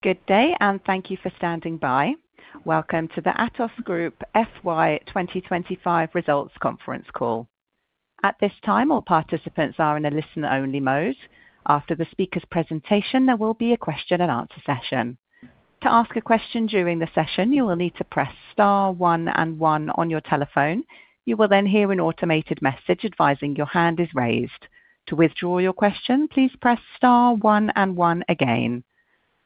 Good day, and thank you for standing by. Welcome to the Atos Group FY 2025 results conference call. At this time, all participants are in a listen-only mode. After the speaker's presentation, there will be a question and answer session. To ask a question during the session, you will need to press star one and one on your telephone. You will then hear an automated message advising your hand is raised. To withdraw your question, please press star one and one again.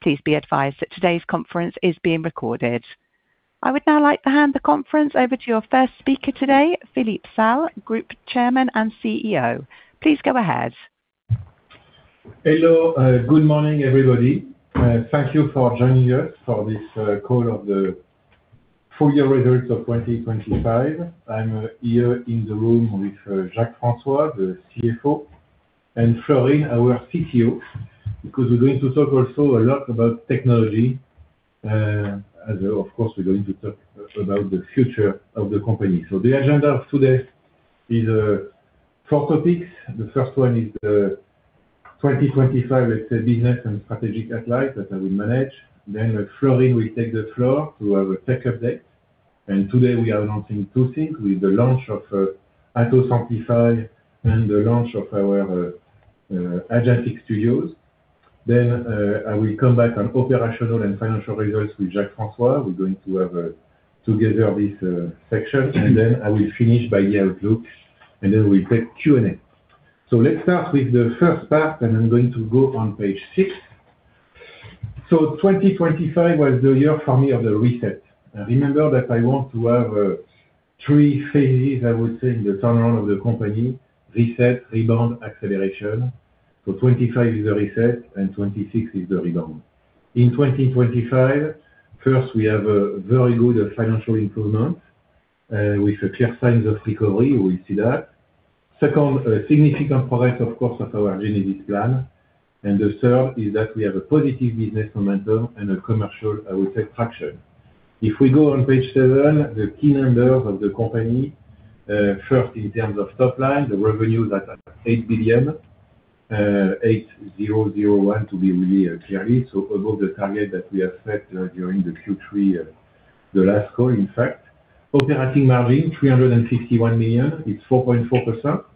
Please be advised that today's conference is being recorded. I would now like to hand the conference over to your first speaker today, Philippe Salle, Group Chairman and CEO. Please go ahead. Hello. Good morning, everybody. Thank you for joining us for this call of the full year results of 2025. I'm here in the room with Jacques-François, the CFO, and Florin, our CTO, because we're going to talk also a lot about technology. As of course, we're going to talk about the future of the company. The agenda of today is 4 topics. The first one is 2025 business and strategic outline that I will manage. Florin will take the floor to our tech update. Today we are announcing 2 things with the launch of Atos Simplify and the launch of our Agentic Studios. I will come back on operational and financial results with Jacques-François. We're going to have together this section. I will finish by year outlook. We take Q&A. Let's start with the first part, and I'm going to go on page 6. 2025 was the year for me of the reset. Remember that I want to have 3 phases, I would say, in the turnaround of the company: reset, rebound, acceleration. 2025 is the reset and 2026 is the rebound. In 2025, first, we have a very good financial improvement with clear signs of recovery. We see that. Second, a significant progress, of course, of our Genesis Plan. The third is that we have a positive business momentum and a commercial, I would say, traction. If we go on page 7, the key numbers of the company, first in terms of top line, the revenue that at 8.001 billion to be really clear. Above the target that we have set during the Q3, the last call in fact. Operating margin, 351 million. It's 4.4%.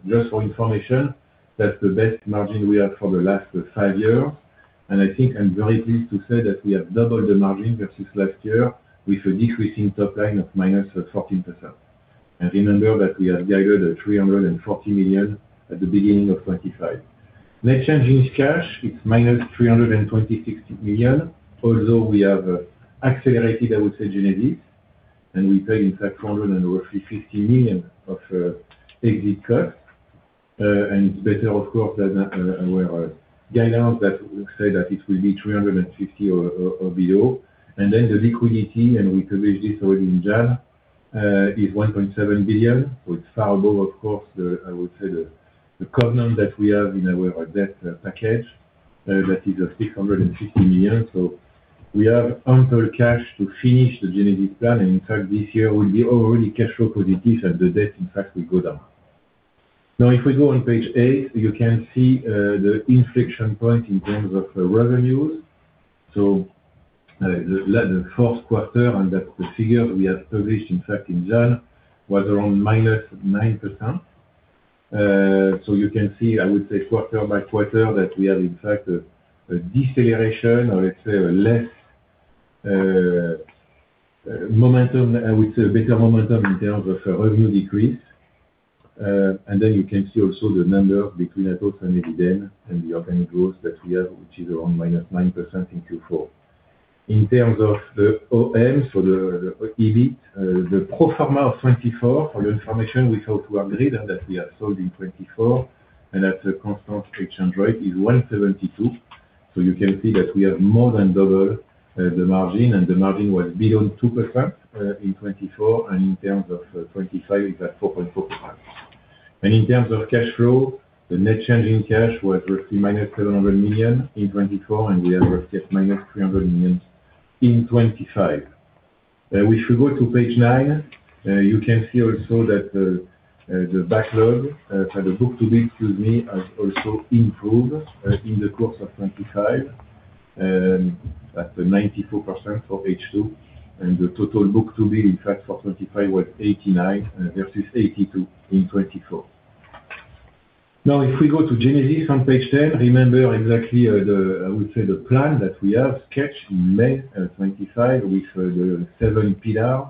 Just for information, that's the best margin we have for the last five years. I think I'm very pleased to say that we have doubled the margin versus last year with a decreasing top line of -14%. Remember that we have guided at 340 million at the beginning of 2025. Net change in cash, it's -326 million. Although we have accelerated, I would say Genesis, and we pay in fact roughly 450 million of exit costs. It's better of course than our guidance that would say that it will be 350 million or below. The liquidity, and we published this already in January, is 1.7 billion. With far below of course the, I would say the covenant that we have in our debt package, that is of 650 million. We have ample cash to finish the Genesis Plan. In fact, this year we are already cash flow positive and the debt in fact will go down. If we go on page 8, you can see the inflection point in terms of revenues. The fourth quarter, and that the figure we have published in fact in January was around -9%. You can see, I would say quarter by quarter, that we have in fact a deceleration or let's say less momentum. I would say better momentum in terms of revenue decrease. You can see also the number between Atos and Eviden and the organic growth that we have, which is around -9% in Q4. In terms of the OM, so the EBIT, the pro forma of 2024, for your information, without Worldgrid that we have sold in 2024 and at a constant exchange rate is 172. You can see that we have more than double the margin and the margin was beyond 2% in 2024. In terms of 2025, it's at 4.4%. In terms of cash flow, the net change in cash was roughly -700 million in 2024, and we have roughly -300 million in 2025. If we go to page 9, you can see also that the backlog, the book-to-bill, excuse me, has also improved in the course of 2025, at 94% for H2. The total book-to-bill in fact for 2025 was 89% versus 82% in 2024. If we go to Genesis on page 10, remember exactly the, I would say the plan that we have sketched in May of 2025 with the 7 pillar.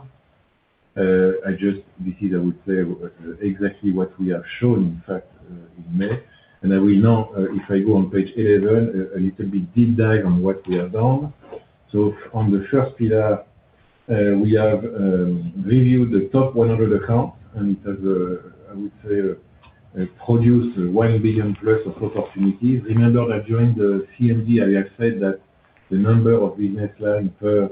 This is I would say exactly what we have shown, in fact, in May. I will now, if I go on page 11, a little bit deep dive on what we have done. On the first pillar, we have reviewed the top 100 accounts and, I would say, produced 1 billion+ of opportunities. Remember that during the CMD, I have said that the number of business line per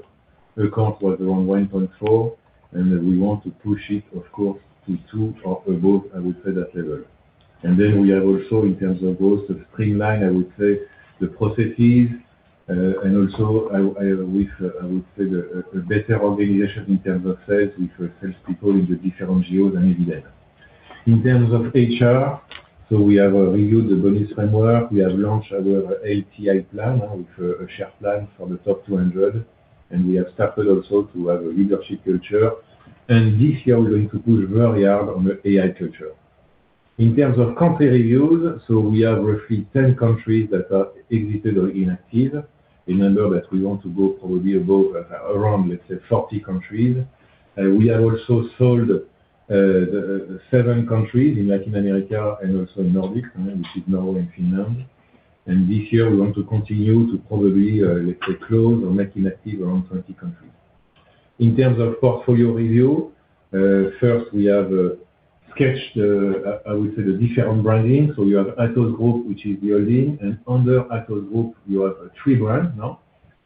account was around 1.4, and we want to push it, of course, to 2 or above, I would say that level. We have also in terms of growth, streamline, I would say the processes, a better organization in terms of sales with sales people in the different geos and Eviden. In terms of HR, we have reviewed the bonus framework. We have launched our ATI plan with a share plan for the top 200, and we have started also to have a leadership culture. This year, we're going to push very hard on the AI culture. In terms of country reviews, we have roughly 10 countries that are exited or inactive. Remember that we want to go probably above around 40 countries. We have also sold 7 countries in Latin America and also in Nordic, which is Norway and Finland. This year, we want to continue to probably close or make inactive around 20 countries. In terms of portfolio review, first we have sketched the different branding. You have Atos Group, which is the holding, and under Atos Group, you have 3 brands now.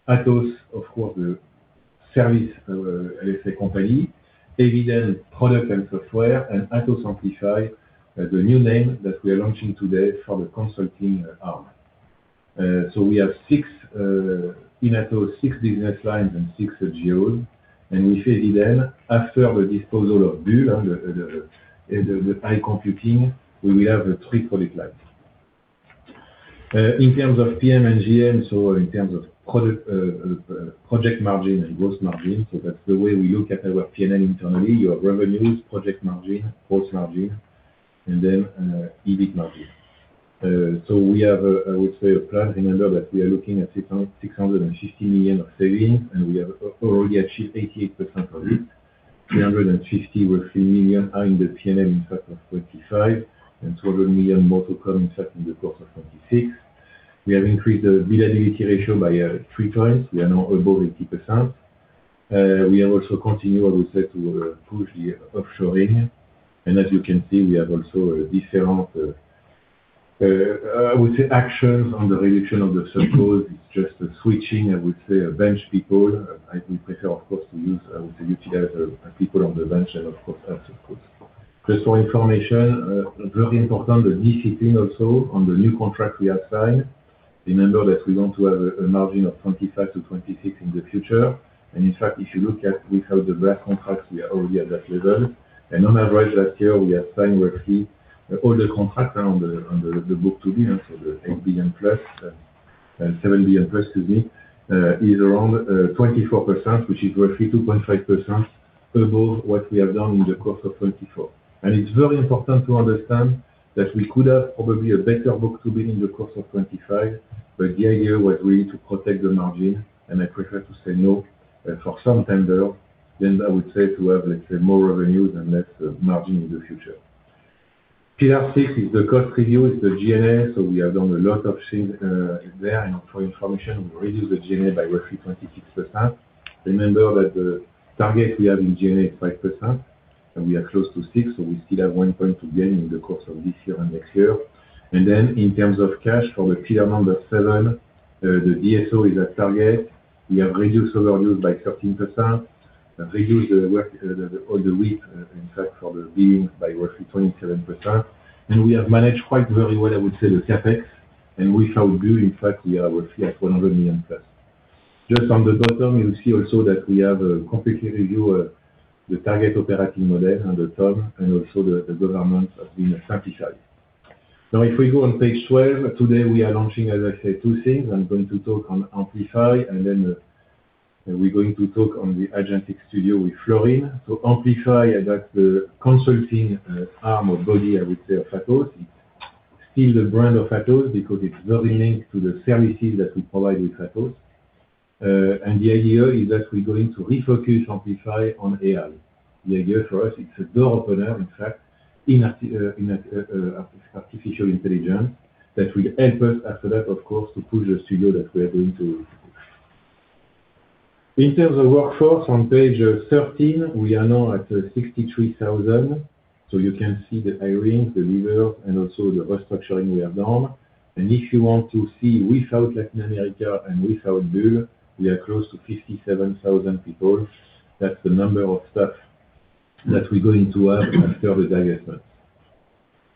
Atos, of course, the service company. Eviden is product and software, and Atos Amplify is the new name that we are launching today for the consulting arm. We have 6 in Atos, 6 business lines and 6 geos. With Eviden, after the disposal of Bull, the high computing, we will have 3 product lines. In terms of PM and GM, in terms of project margin and gross margin, that's the way we look at our P&L internally. You have revenues, project margin, gross margin, EBIT margin. We have a, I would say, a plan. Remember that we are looking at 660 million of savings, we have already achieved 88% of it. 360 roughly million are in the P&L in fact of 25, 200 million more to come in fact in the course of 2026. We have increased the billability ratio by 3x. We are now above 80%. We have also continued, I would say, to push the offshoring. As you can see, we have also a different, I would say, actions on the reduction of the subcos. It's just a switching, I would say, of bench people. I will prefer, of course, to use, I would say, utilize people on the bench and of course as of course. Just for information, very important, the de-risking also on the new contract we have signed. Remember that we want to have a margin of 25%-26% in the future. In fact, if you look at without the Bull contract, we are already at that level. On average, last year, we have signed roughly all the contracts are on the book-to-bill, so the 8 billion+, 7 billion+, excuse me, is around 24%, which is roughly 2.5% above what we have done in the course of 2024. It's very important to understand that we could have probably a better book-to-bill in the course of 2025, but the idea was really to protect the margin, and I prefer to say no for some tender than, I would say, to have, let's say, more revenue than less margin in the future. Pillar 6 is the cost review, is the G&A. We have done a lot of things there. For your information, we reduced the G&A by roughly 26%. Remember that the target we have in G&A is 5%, and we are close to 6, so we still have 1 point to gain in the course of this year and next year. In terms of cash for the Pillar 7, the DSO is at target. We have reduced our use by 13%, reduced the WIP, in fact, for the billing by roughly 27%. We have managed quite very well, I would say, the CapEx. Without Bull, in fact, we are at 100 million plus. Just on the bottom, you'll see also that we have completely reviewed the target operating model on the top and also the government have been simplified. If we go on page 12, today we are launching, as I said, two things. I'm going to talk on Amplify, then we're going to talk on the Agentic Studio with Florin. Amplify, that's the consulting arm or body, I would say, of Atos. It's still the brand of Atos because it's very linked to the services that we provide with Atos. The idea is that we're going to refocus Amplify on AI. The idea for us, it's a door opener, in fact, in artificial intelligence that will help us after that, of course, to push the Studio that we are going to. In terms of workforce on page 13, we are now at 63,000. You can see the hiring, the leave of, and also the restructuring we have done. If you want to see without Latin America and without Bull, we are close to 57,000 people. That's the number of staff that we're going to have after the divestment.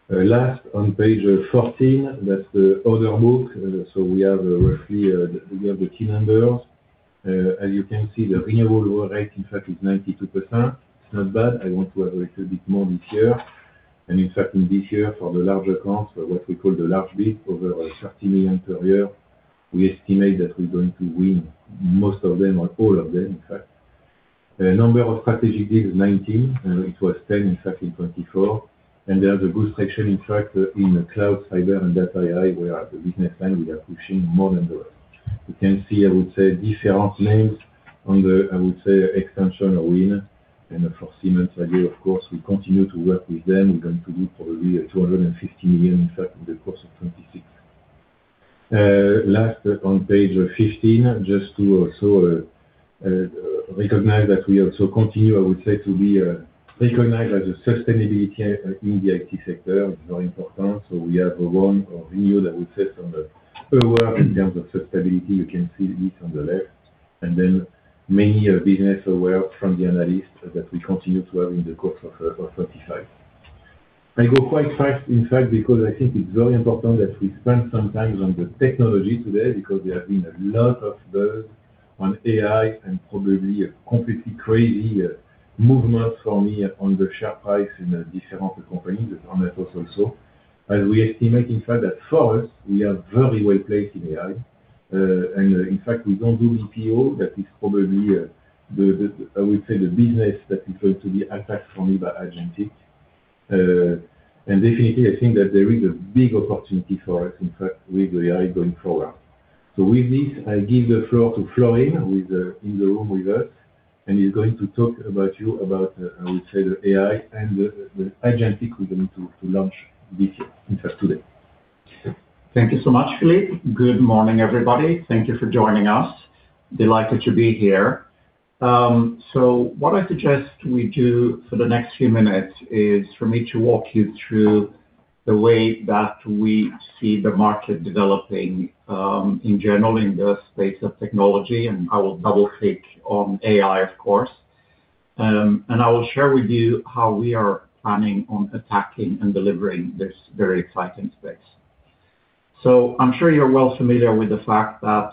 Last on page 14, that's the order book. We have roughly, we have the key numbers. As you can see, the renewal rate, in fact, is 92%. It's not bad. I want to have a little bit more this year. In fact, in this year, for the larger accounts, what we call the large bid, over 30 million per year, we estimate that we're going to win most of them or all of them, in fact. The number of strategic deals, 19. It was 10, in fact, in 2024. There's a good section, in fact, in cloud, cyber, and data AI, where the business line we are pushing more than the rest. You can see, I would say, different names on the, I would say, extension or win. For Siemens, again, of course, we continue to work with them. We're going to do probably 250 million in fact in the course of 2026. Last on page 15, just to also recognize that we also continue, I would say, to be recognized as a sustainability in the IT sector, is very important. We have won a review that would say some award in terms of sustainability. You can see it on the left. Many business awards from the analysts that we continue to have in the course of 2025. I go quite fast, in fact, because I think it's very important that we spend some time on the technology today because there have been a lot of buzz on AI and probably a completely crazy movement for me on the share price in the different companies, Atos also. We estimate, in fact, that for us, we are very well placed in AI. In fact, we don't do BPO. That is probably the, I would say, the business that is going to be attacked for me by agentic. Definitely, I think that there is a big opportunity for us, in fact, with AI going forward. With this, I give the floor to Florin in the room with us, and he's going to talk about you about, I would say, the AI and the agentic we're going to launch this, in fact, today. Thank you so much, Philippe. Good morning, everybody. Thank you for joining us. Delighted to be here. What I suggest we do for the next few minutes is for me to walk you through the way that we see the market developing in general in the space of technology, and I will double-click on AI, of course. I will share with you how we are planning on attacking and delivering this very exciting space. I'm sure you're well familiar with the fact that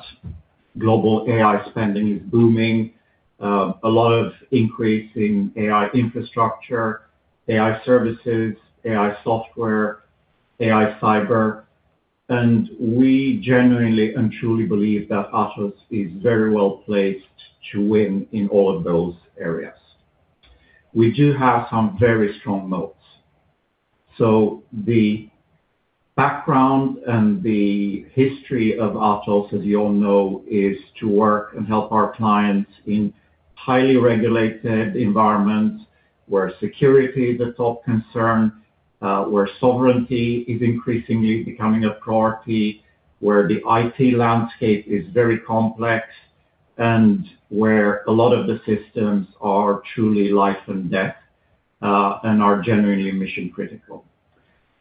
global AI spending is booming. A lot of increase in AI infrastructure, AI services, AI software, AI cyber, and we genuinely and truly believe that Atos is very well placed to win in all of those areas. We do have some very strong modes. The background and the history of Atos, as you all know, is to work and help our clients in highly regulated environments where security is a top concern, where sovereignty is increasingly becoming a priority, where the IT landscape is very complex, and where a lot of the systems are truly life and death, and are genuinely mission-critical.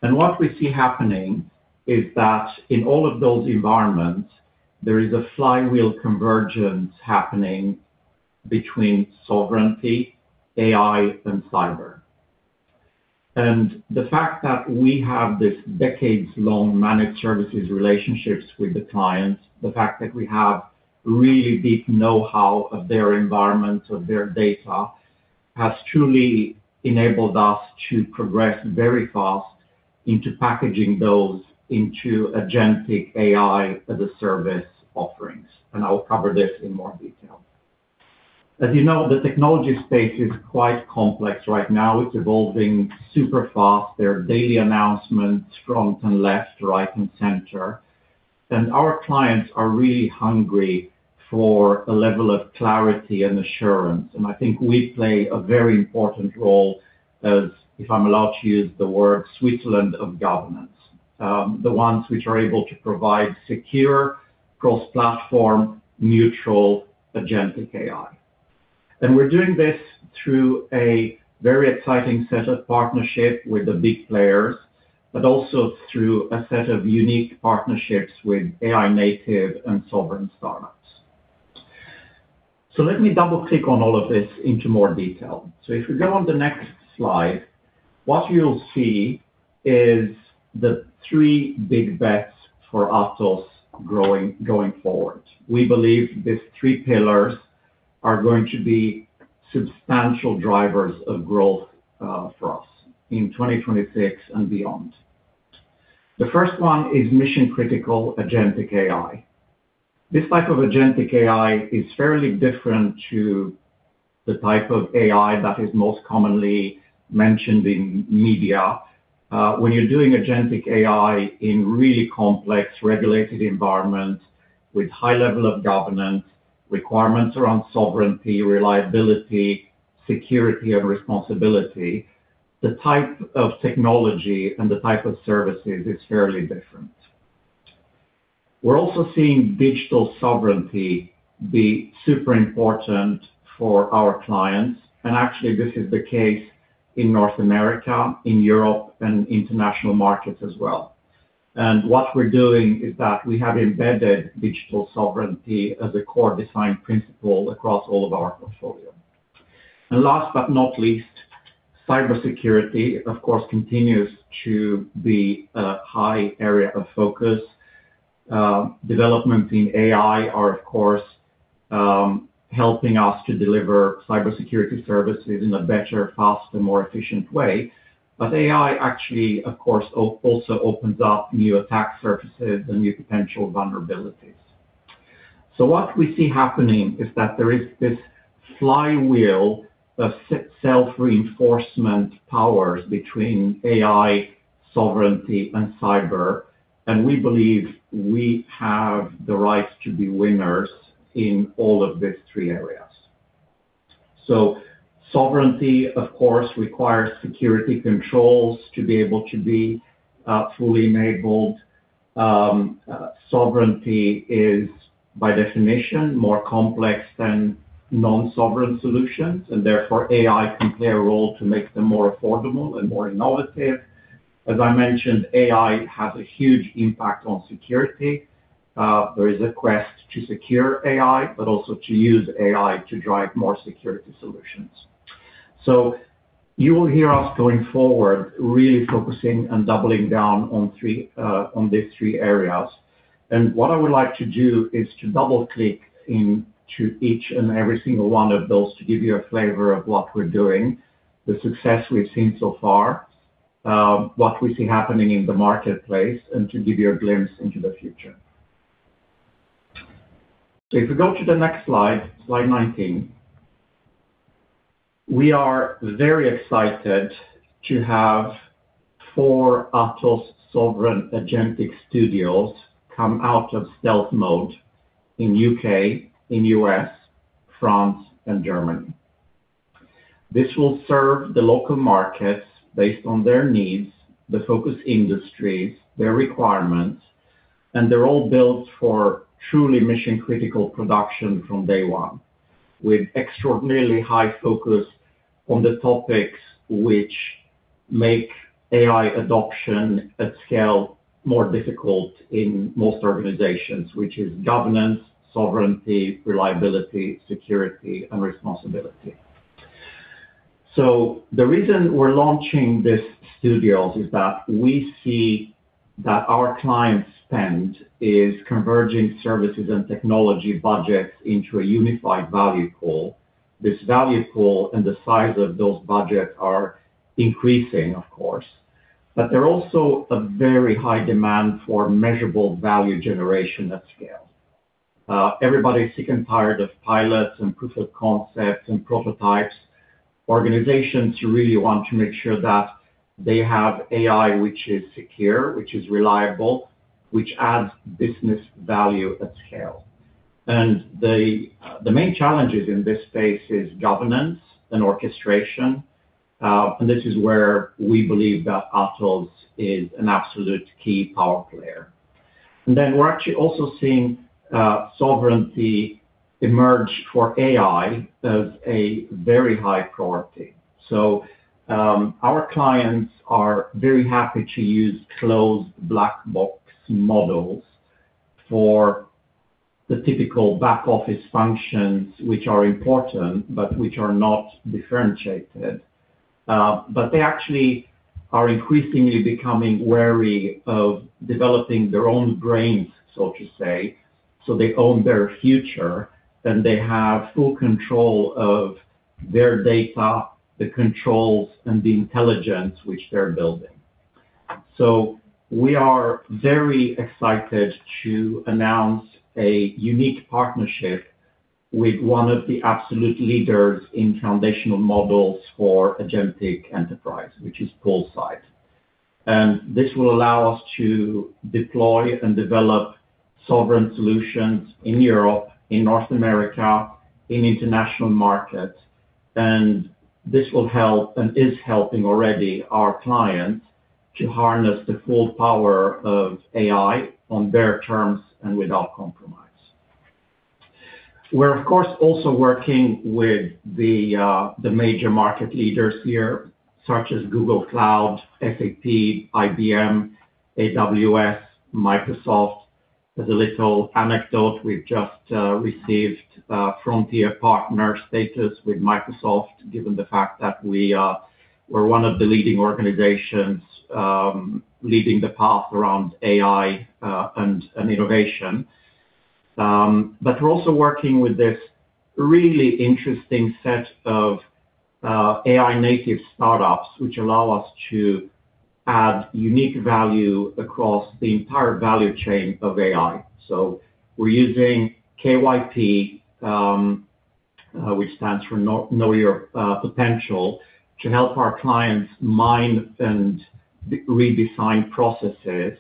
What we see happening is that in all of those environments, there is a flywheel convergence happening between sovereignty, AI, and cyber. The fact that we have this decades-long managed services relationships with the clients, the fact that we have really deep know-how of their environment, of their data, has truly enabled us to progress very fast into packaging those into agentic AI as a service offerings. I will cover this in more detail. As you know, the technology space is quite complex right now. It's evolving super fast. There are daily announcements from left, right, and center. Our clients are really hungry for a level of clarity and assurance. I think we play a very important role as, if I'm allowed to use the word, Switzerland of governance, the ones which are able to provide secure cross-platform, neutral agentic AI. We're doing this through a very exciting set of partnership with the big players, but also through a set of unique partnerships with AI native and sovereign startups. Let me double-click on all of this into more detail. If we go on the next slide, what you'll see is the three big bets for Atos going forward. We believe these three pillars are going to be substantial drivers of growth for us in 2026 and beyond. The first one is mission-critical agentic AI. This type of agentic AI is fairly different to the type of AI that is most commonly mentioned in media. When you're doing agentic AI in really complex regulated environments with high level of governance, requirements around sovereignty, reliability, security and responsibility, the type of technology and the type of services is fairly different. We're also seeing digital sovereignty be super important for our clients. Actually, this is the case in North America, in Europe, and international markets as well. What we're doing is that we have embedded digital sovereignty as a core design principle across all of our portfolio. Last but not least, cybersecurity, of course, continues to be a high area of focus. Development in AI are of course, helping us to deliver cybersecurity services in a better, faster, more efficient way. AI actually, of course, also opens up new attack surfaces and new potential vulnerabilities. What we see happening is that there is this flywheel of self-reinforcement powers between AI, sovereignty, and cyber, and we believe we have the right to be winners in all of these three areas. Sovereignty, of course, requires security controls to be able to be fully enabled. Sovereignty is by definition more complex than non-sovereign solutions, and therefore AI can play a role to make them more affordable and more innovative. As I mentioned, AI has a huge impact on security. There is a quest to secure AI, but also to use AI to drive more security solutions. You will hear us going forward, really focusing on doubling down on these three areas. What I would like to do is to double-click into each and every single one of those to give you a flavor of what we're doing, the success we've seen so far, what we see happening in the marketplace, and to give you a glimpse into the future. If we go to the next Slide 19. We are very excited to have four Atos Sovereign Agentic Studios come out of stealth mode in U.K., in U.S., France and Germany. This will serve the local markets based on their needs, the focus industries, their requirements, and they're all built for truly mission-critical production from day one, with extraordinarily high focus on the topics which make AI adoption at scale more difficult in most organizations, which is governance, sovereignty, reliability, security, and responsibility. The reason we're launching these studios is that we see that our clients' spend is converging services and technology budgets into a unified value pool. This value pool and the size of those budgets are increasing, of course. There's also a very high demand for measurable value generation at scale. Everybody is sick and tired of pilots and proof of concepts and prototypes. Organizations really want to make sure that they have AI which is secure, which is reliable, which adds business value at scale. The main challenges in this space is governance and orchestration. This is where we believe that Atos is an absolute key power player. We're actually also seeing sovereignty emerge for AI as a very high priority. Our clients are very happy to use closed black box models for the typical back-office functions, which are important, but which are not differentiated. They actually are increasingly becoming wary of developing their own brains, so to say, so they own their future, and they have full control of their data, the controls, and the intelligence which they're building. We are very excited to announce a unique partnership with one of the absolute leaders in foundational models for agentic enterprise, which is Poolside. This will allow us to deploy and develop sovereign solutions in Europe, in North America, in international markets. This will help, and is helping already our clients, to harness the full power of AI on their terms and without compromise. We're of course also working with the major market leaders here, such as Google Cloud, SAP, IBM, AWS, Microsoft. As a little anecdote, we've just received Frontier Partner status with Microsoft, given the fact that we're one of the leading organizations leading the path around AI and innovation. We're also working with this really interesting set of AI native startups, which allow us to add unique value across the entire value chain of AI. We're using KYP, which stands for Know Your Potential, to help our clients mine and redesign processes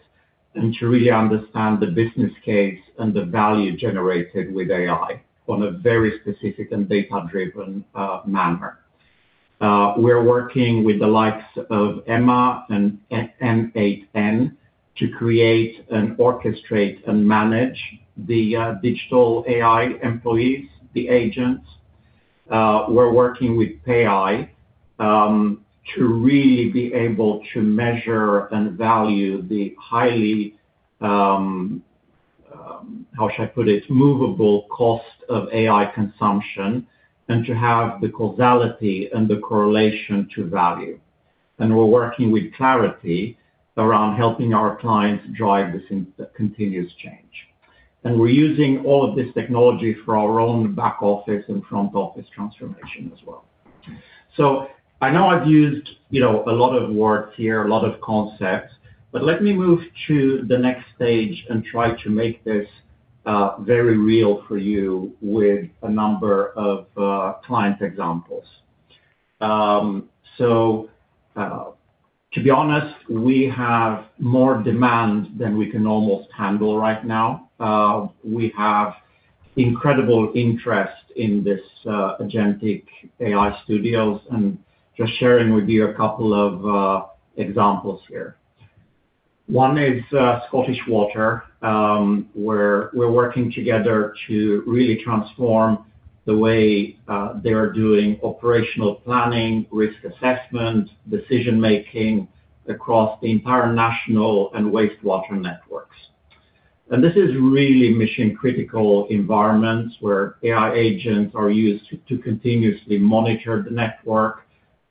and to really understand the business case and the value generated with AI on a very specific and data-driven manner. We're working with the likes of Ema and n8n to create and orchestrate and manage the digital AI employees, the agents. We're working with PayEye to really be able to measure and value the highly, how should I put it, movable cost of AI consumption and to have the causality and the correlation to value. We're working with Clarity around helping our clients drive this continuous change. We're using all of this technology for our own back-office and front-office transformation as well. I know I've used, you know, a lot of words here, a lot of concepts, but let me move to the next stage and try to make this very real for you with a number of client examples. To be honest, we have more demand than we can almost handle right now. We have incredible interest in this Agentic AI studios, and just sharing with you a couple of examples here. One is Scottish Water, where we're working together to really transform the way they are doing operational planning, risk assessment, decision-making across the entire national and wastewater networks. This is really mission-critical environments where AI agents are used to continuously monitor the network,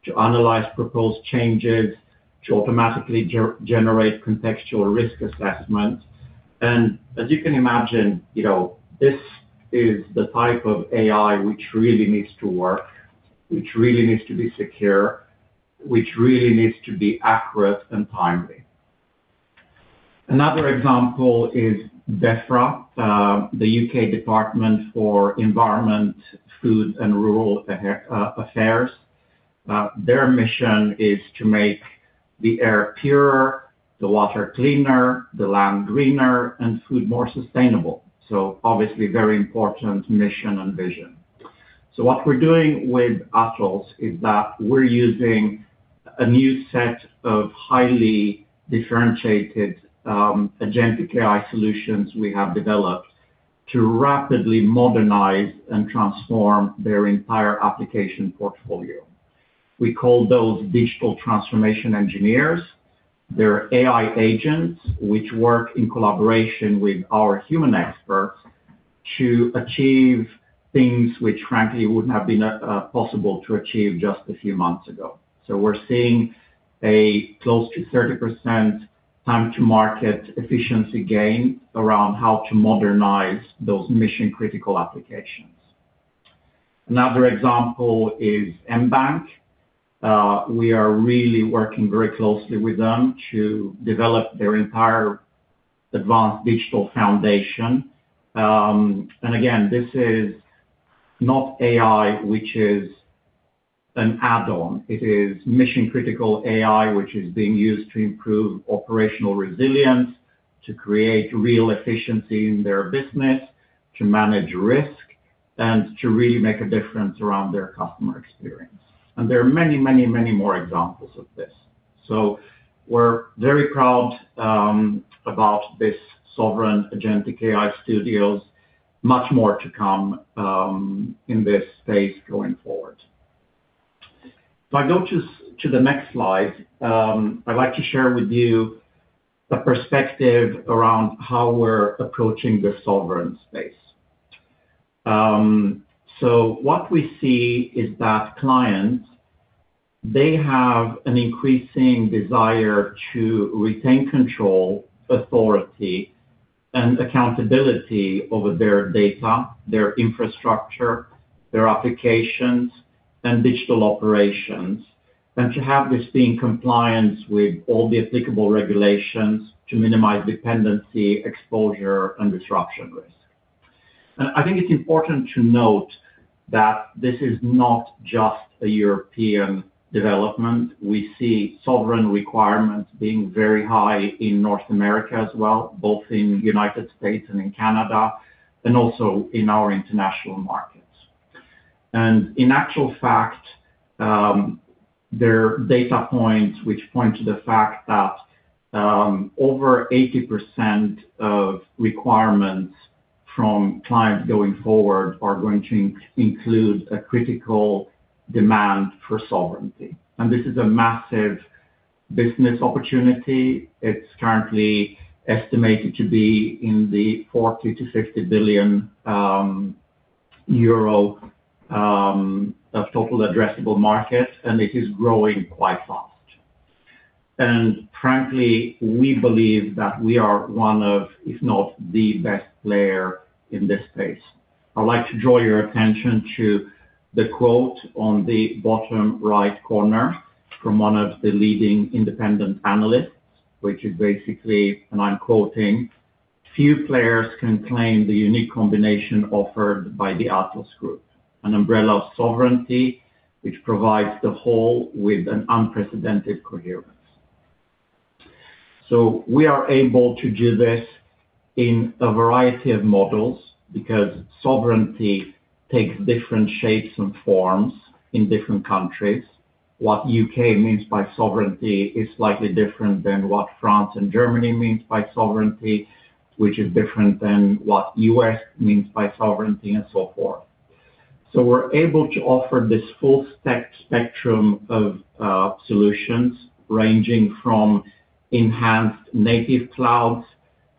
to analyze proposed changes, to automatically generate contextual risk assessments. As you can imagine, you know, this is the type of AI which really needs to work, which really needs to be secure, which really needs to be accurate and timely. Another example is Defra, the U.K. Department for Environment, Food and Rural Affairs. Their mission is to make the air purer, the water cleaner, the land greener, and food more sustainable. Obviously, very important mission and vision. What we're doing with Atos is that we're using a new set of highly differentiated, agentic AI solutions we have developed to rapidly modernize and transform their entire application portfolio. We call those digital transformation engineers. They're AI agents which work in collaboration with our human experts to achieve things which frankly wouldn't have been possible to achieve just a few months ago. We're seeing a close to 30% time to market efficiency gain around how to modernize those mission-critical applications. Another example is mBank. We are really working very closely with them to develop their entire advanced digital foundation. Again, this is not AI, which is an add-on. It is mission-critical AI, which is being used to improve operational resilience, to create real efficiency in their business, to manage risk, and to really make a difference around their customer experience. There are many, many, many more examples of this. We're very proud about this Agentic Sovereign Studios. Much more to come in this space going forward. If I go to the next slide, I'd like to share with you the perspective around how we're approaching the sovereign space. What we see is that clients, they have an increasing desire to retain control, authority, and accountability over their data, their infrastructure, their applications, and digital operations, and to have this be in compliance with all the applicable regulations to minimize dependency, exposure, and disruption risk. I think it's important to note that this is not just a European development. We see sovereign requirements being very high in North America as well, both in United States and in Canada, and also in our international markets. In actual fact, there are data points which point to the fact that over 80% of requirements from clients going forward are going to include a critical demand for sovereignty. This is a massive business opportunity. It's currently estimated to be in the 40 billion-60 billion euro of total addressable market, and it is growing quite fast. Frankly, we believe that we are one of, if not the best player in this space. I'd like to draw your attention to the quote on the bottom right corner from one of the leading independent analysts, which is basically, and I'm quoting, "Few players can claim the unique combination offered by the Atos Group, an umbrella of sovereignty, which provides the whole with an unprecedented coherence." We are able to do this in a variety of models because sovereignty takes different shapes and forms in different countries. What U.K. means by sovereignty is slightly different than what France and Germany means by sovereignty, which is different than what U.S. means by sovereignty and so forth. We're able to offer this full spectrum of solutions ranging from enhanced native clouds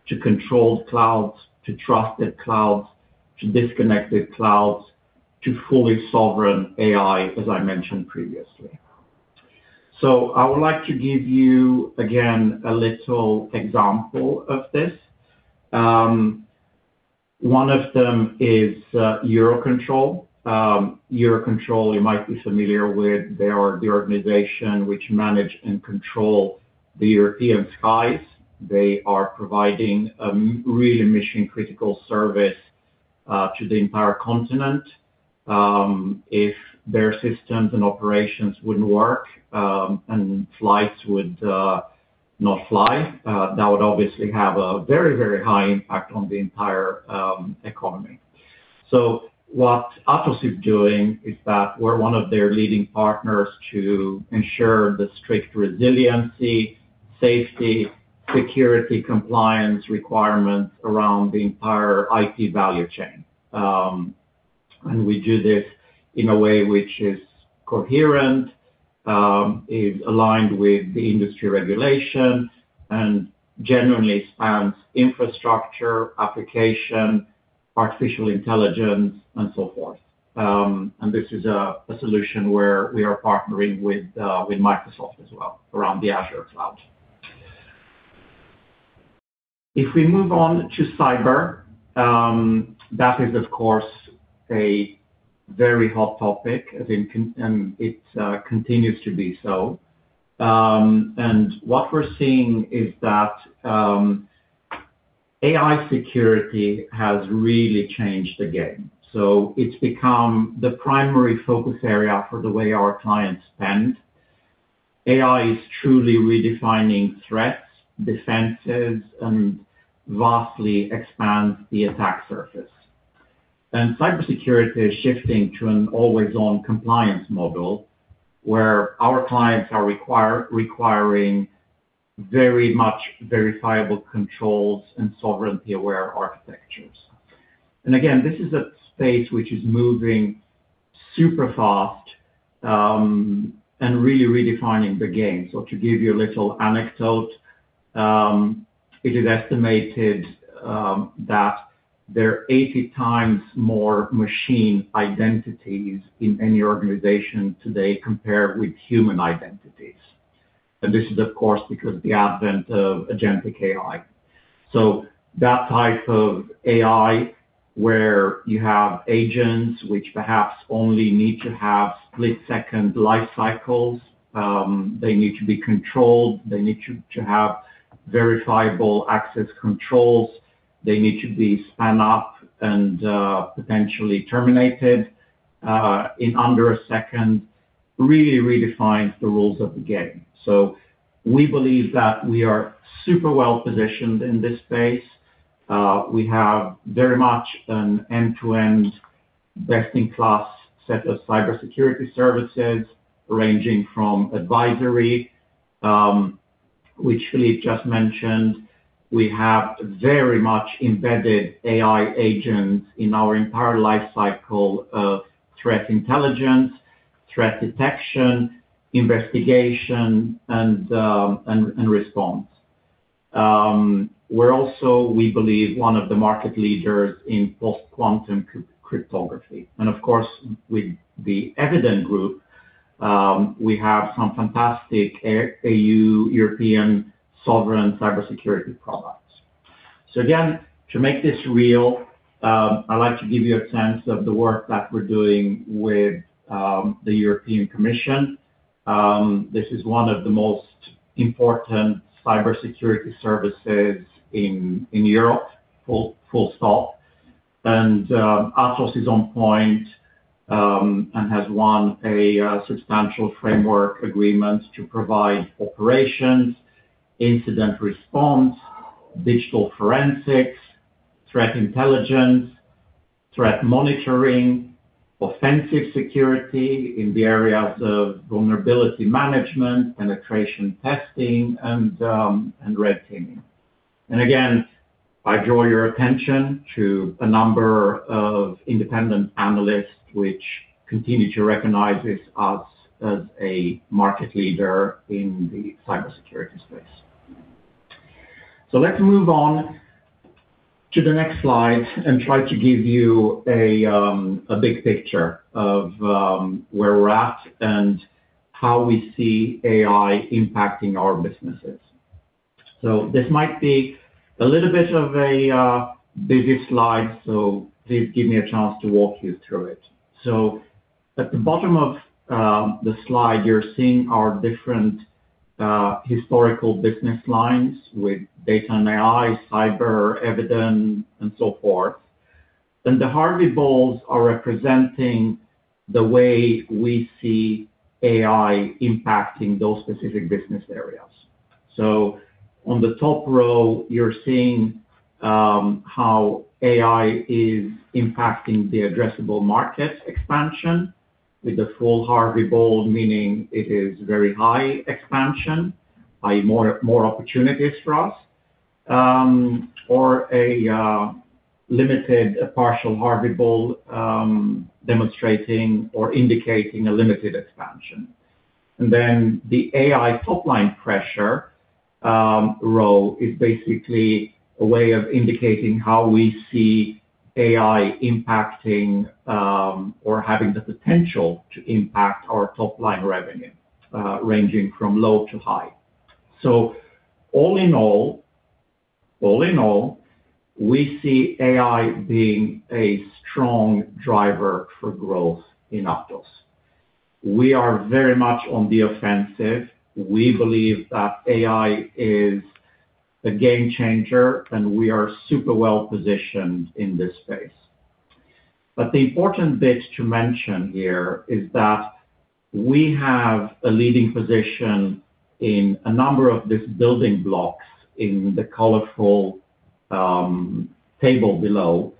to controlled clouds, to trusted clouds, to disconnected clouds, to fully sovereign AI, as I mentioned previously. I would like to give you, again, a little example of this. One of them is EUROCONTROL. EUROCONTROL, you might be familiar with. They are the organization which manage and control the European skies. They are providing a really mission-critical service to the entire continent. If their systems and operations wouldn't work, and flights would not fly, that would obviously have a very, very high impact on the entire economy. What Atos is doing is that we're one of their leading partners to ensure the strict resiliency, safety, security, compliance requirements around the entire IT value chain. We do this in a way which is coherent, is aligned with the industry regulation and generally spans infrastructure, application, artificial intelligence, and so forth. This is a solution where we are partnering with Microsoft as well around the Azure cloud. If we move on to cyber, that is of course, a very hot topic and it continues to be so. What we're seeing is that AI security has really changed the game. It's become the primary focus area for the way our clients spend. AI is truly redefining threats, defenses, and vastly expands the attack surface. Cybersecurity is shifting to an always-on compliance model, where our clients are requiring very much verifiable controls and sovereignty-aware architectures. Again, this is a space which is moving super fast and really redefining the game. To give you a little anecdote, it is estimated that there are 80x more machine identities in any organization today compared with human identities. This is, of course, because of the advent of agentic AI. That type of AI, where you have agents which perhaps only need to have split-second life cycles, they need to be controlled, they need to have verifiable access controls, they need to be spun up and potentially terminated in under a second, really redefines the rules of the game. We believe that we are super well positioned in this space. We have very much an end-to-end best-in-class set of cybersecurity services ranging from advisory, which Philippe just mentioned. We have very much embedded AI agents in our entire life cycle of threat intelligence, threat detection, investigation, and response. We're also, we believe, one of the market leaders in post-quantum cryptography. Of course, with the Eviden Group, we have some fantastic EU-European sovereign cybersecurity products. Again, to make this real, I'd like to give you a sense of the work that we're doing with the European Commission. This is one of the most important cybersecurity services in Europe, full stop. Atos is on point and has won a substantial framework agreement to provide operations, incident response, digital forensics, threat intelligence, threat monitoring, offensive security in the areas of vulnerability management, penetration testing, and red teaming. Again, I draw your attention to a number of independent analysts which continue to recognize us as a market leader in the cybersecurity space. Let's move on to the next slide and try to give you a big picture of where we're at and how we see AI impacting our businesses. This might be a little bit of a busy slide, please give me a chance to walk you through it. At the bottom of the slide, you're seeing our different historical business lines with data and AI, cyber, Eviden, and so forth. The Harvey balls are representing the way we see AI impacting those specific business areas. On the top row, you're seeing how AI is impacting the addressable market expansion with the full Harvey ball, meaning it is very high expansion, i.e., more opportunities for us, or a limited partial Harvey ball, demonstrating or indicating a limited expansion. The AI top-line pressure row is basically a way of indicating how we see AI impacting or having the potential to impact our top-line revenue, ranging from low to high. all in all, we see AI being a strong driver for growth in Atos. We are very much on the offensive. We believe that AI is a game changer, and we are super well positioned in this space. The important bit to mention here is that we have a leading position in a number of these building blocks in the colorful table below.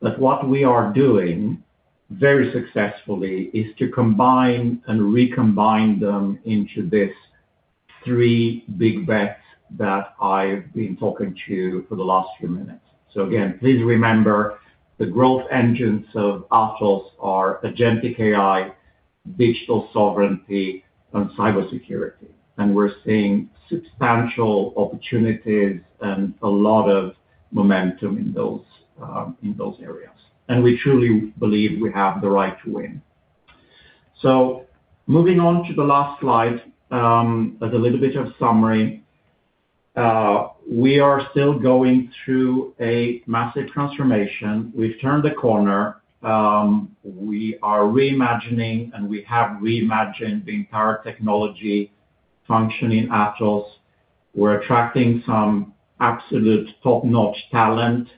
What we are doing very successfully is to combine and recombine them into this Three big bets that I've been talking to for the last few minutes. Again, please remember the growth engines of Atos are agentic AI, digital sovereignty, and cybersecurity. We're seeing substantial opportunities and a lot of momentum in those in those areas. We truly believe we have the right to win. Moving on to the last slide, as a little bit of summary. We are still going through a massive transformation. We've turned the corner. We are reimagining, and we have reimagined the entire technology function in Atos. We're attracting some absolute top-notch talent.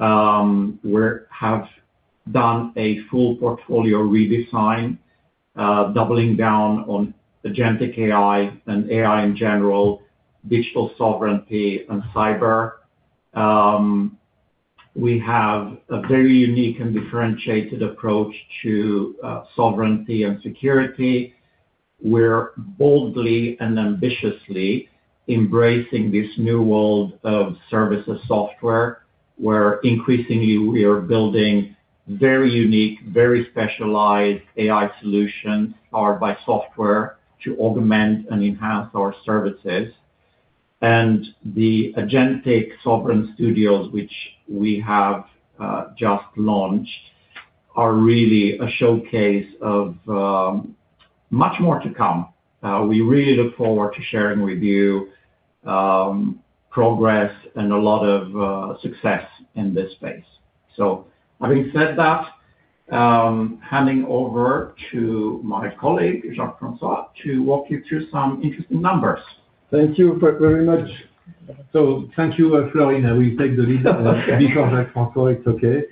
We have done a full portfolio redesign, doubling down on agentic AI and AI in general, digital sovereignty and cyber. We have a very unique and differentiated approach to sovereignty and security. We're boldly and ambitiously embracing this new world of services software, where increasingly we are building very unique, very specialized AI solutions powered by software to augment and enhance our services. The Agentic Sovereign Studios, which we have just launched, are really a showcase of much more to come. We really look forward to sharing with you, progress and a lot of success in this space. Having said that, handing over to my colleague, Jacques-François, to walk you through some interesting numbers. Thank you very much. Thank you, Florin. We take the lead. Before Jacques-Françoi, it's okay.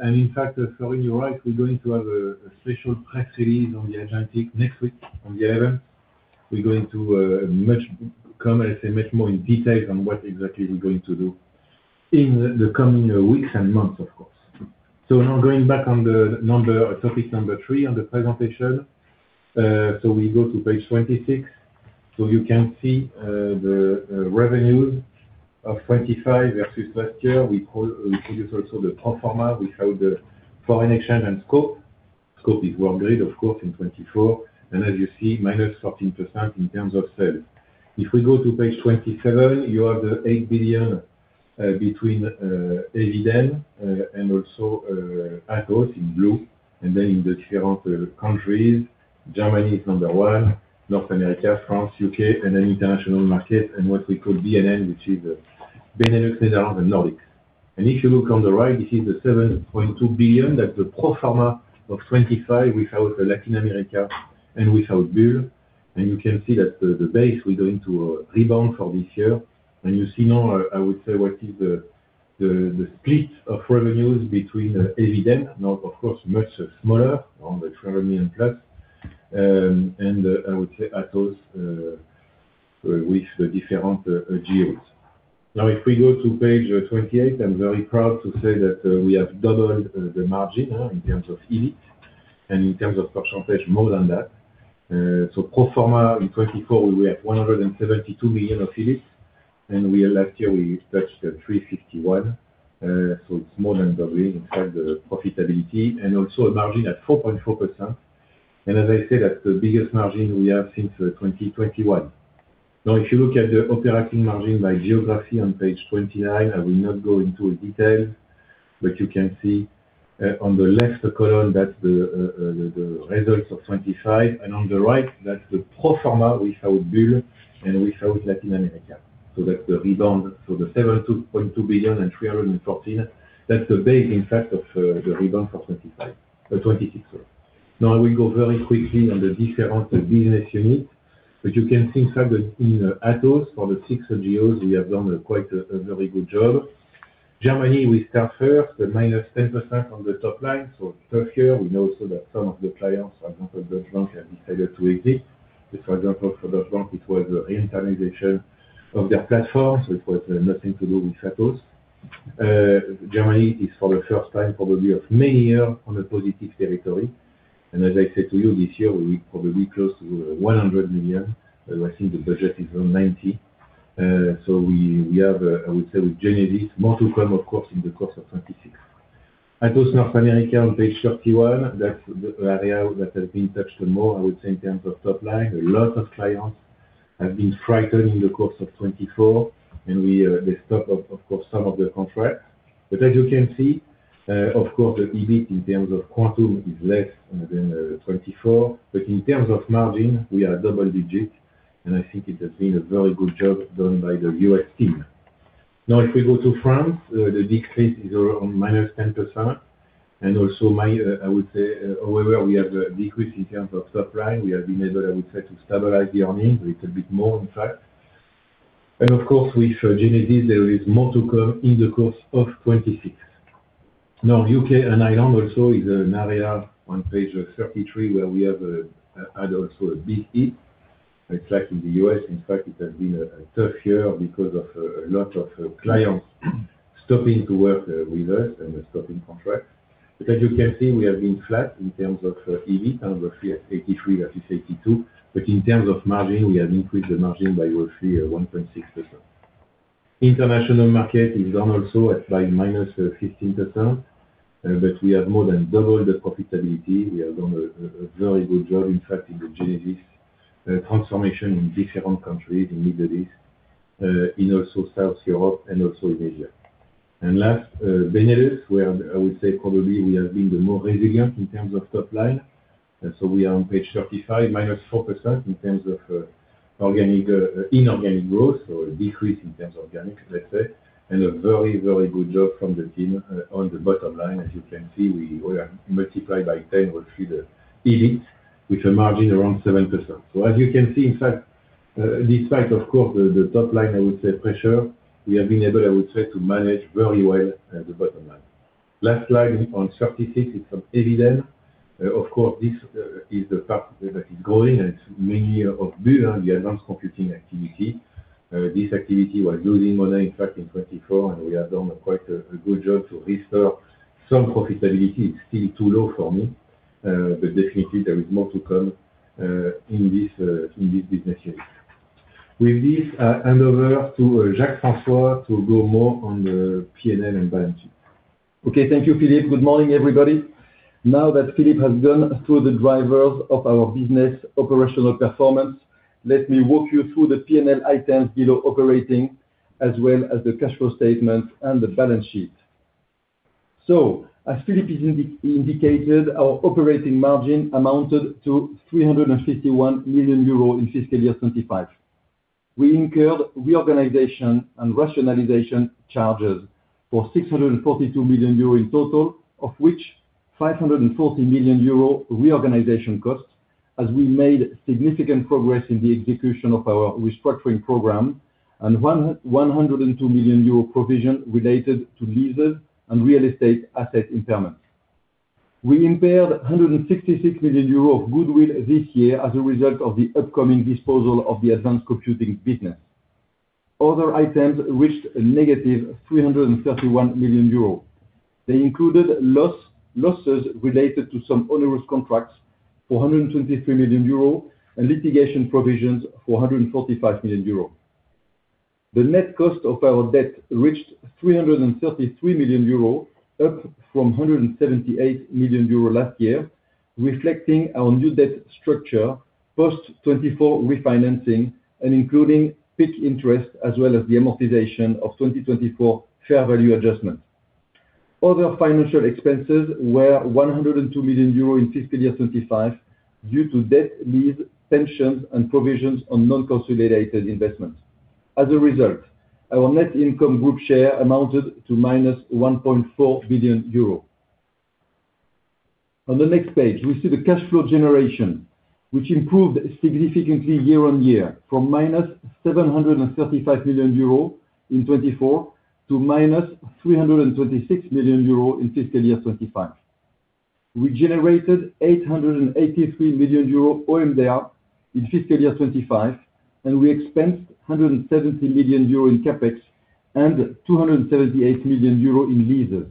In fact, Florin, you're right. We're going to have a special press release on the Agentic next week on the 11th. We're going to comment much more in detail on what exactly we're going to do in the coming weeks and months, of course. Now going back on the topic number 3 on the presentation. We go to page 26. You can see the revenues of 2025 versus last year. We produce also the pro forma without the foreign exchange and scope. Scope is One Grid, of course, in 2024. As you see, -13% in terms of sales. If we go to page 27, you have the 8 billion between Eviden and also Atos in blue. Then in the different countries, Germany is number one, North America, France, U.K., and then international market, and what we call BNN, which is Benelux and the Nordics. If you look on the right, this is the 7.2 billion. That's the pro forma of 2025 without Latin America and without Bull. You can see that the base, we're going to rebound for this year. You see now, I would say what is the split of revenues between Eviden. Of course, much smaller on the EUR 1 trillion plus. I would say Atos with different geos. If we go to page 28, I'm very proud to say that we have doubled the margin in terms of EBIT and in terms of % more than that. Pro forma in 2024, we had 172 million of EBIT. Last year we touched 361. It's more than doubling in terms of profitability and also a margin at 4.4%. As I said, that's the biggest margin we have since 2021. If you look at the operating margin by geography on page 29, I will not go into detail, but you can see on the left column, that's the results of 2025. On the right, that's the pro forma without Bull and without Latin America. That's the rebound for the 7.2 billion and 314. That's the base, in fact, of the rebound for 2025, 2026, sorry. I will go very quickly on the different business units, but you can think of it in Atos for the 6 geos, we have done quite a very good job. Germany, we start first, minus 10% on the top line. Tough year. We know so that some of the clients, for example, Deutsche Bank, have decided to exit. For example, for Deutsche Bank, it was a re-internalization of their platform, so it was nothing to do with Atos. Germany is for the first time probably of many year on a positive territory. As I said to you, this year, we probably close to 100 million. I think the budget is 190. We, we have, I would say with Genesis, more to come, of course, in the course of 2026. Atos North America on page 31. That's the area that has been touched more, I would say, in terms of top line. A lot of clients have been frightened in the course of 2024 and we, they stop, of course, some of the contracts. As you can see, of course, the EBIT in terms of quantum is less than, 2024. In terms of margin, we are double digit, and I think it has been a very good job done by the U.S. team. If we go to France, the decrease is around -10%. Also I would say, however, we have a decrease in terms of top line. We have been able, I would say, to stabilize the earnings a little bit more, in fact. Of course, with Genesis, there is more to come in the course of 2026. Now, U.K. and Ireland also is an area on page 33 where we have had also a big hit, exactly like in the U.S. In fact, it has been a tough year because of a lot of clients stopping to work with us and stopping contracts. As you can see, we have been flat in terms of EBIT, EUR 103 at 83 versus 82. In terms of margin, we have increased the margin by roughly 1.6%. International market is down also at like -15%, but we have more than doubled the profitability. We have done a very good job, in fact, in the Genesis transformation in different countries, in Middle East, in also South Europe and also in Asia. Last, Benelux, where I would say probably we have been the more resilient in terms of top line. So we are on page 35, -4% in terms of inorganic growth. So a decrease in terms of organic, let's say. A very good job from the team on the bottom line. As you can see, we have multiplied by 10 roughly the EBIT with a margin around 7%. As you can see, in fact, despite of course, the top line, I would say, pressure, we have been able, I would say, to manage very well the bottom line. Last slide on 36 is from Eviden. Of course, this is the part that is growing, and it's mainly of Bull, the advanced computing activity. This activity was losing money, in fact, in 2024, and we have done quite a good job to restore some profitability. It's still too low for me, but definitely there is more to come in this business unit. With this, I hand over to Jacques-François to go more on the P&L and balance sheet. Okay, thank you, Philippe. Good morning, everybody. Now that Philippe has gone through the drivers of our business operational performance, let me walk you through the P&L items below operating, as well as the cash flow statement and the balance sheet. As Philippe has indicated, our operating margin amounted to 351 million euros in fiscal year 2025. We incurred reorganization and rationalization charges for 642 million euros in total, of which 540 million euros reorganization costs, as we made significant progress in the execution of our restructuring program, and 102 million euro provision related to leases and real estate asset impairments. We impaired 166 million euros of goodwill this year as a result of the upcoming disposal of the advanced computing business. Other items reached -331 million euros. They included losses related to some onerous contracts for 123 million euro and litigation provisions for 145 million euro. The net cost of our debt reached 333 million euro, up from 178 million euro last year, reflecting our new debt structure, post 2024 refinancing and including peak interest, as well as the amortization of 2024 fair value adjustment. Other financial expenses were 102 million euro in fiscal year 2025 due to debt lease tensions and provisions on non-consolidated investments. As a result, our net income group share amounted to -1.4 billion euros. On the next page, we see the cash flow generation, which improved significantly year on year from -735 million euro in 2024 to -326 million euro in fiscal year 2025. We generated 883 million euro OMDA in fiscal year 2025. We expensed 170 million euro in CapEx and 278 million euro in leases.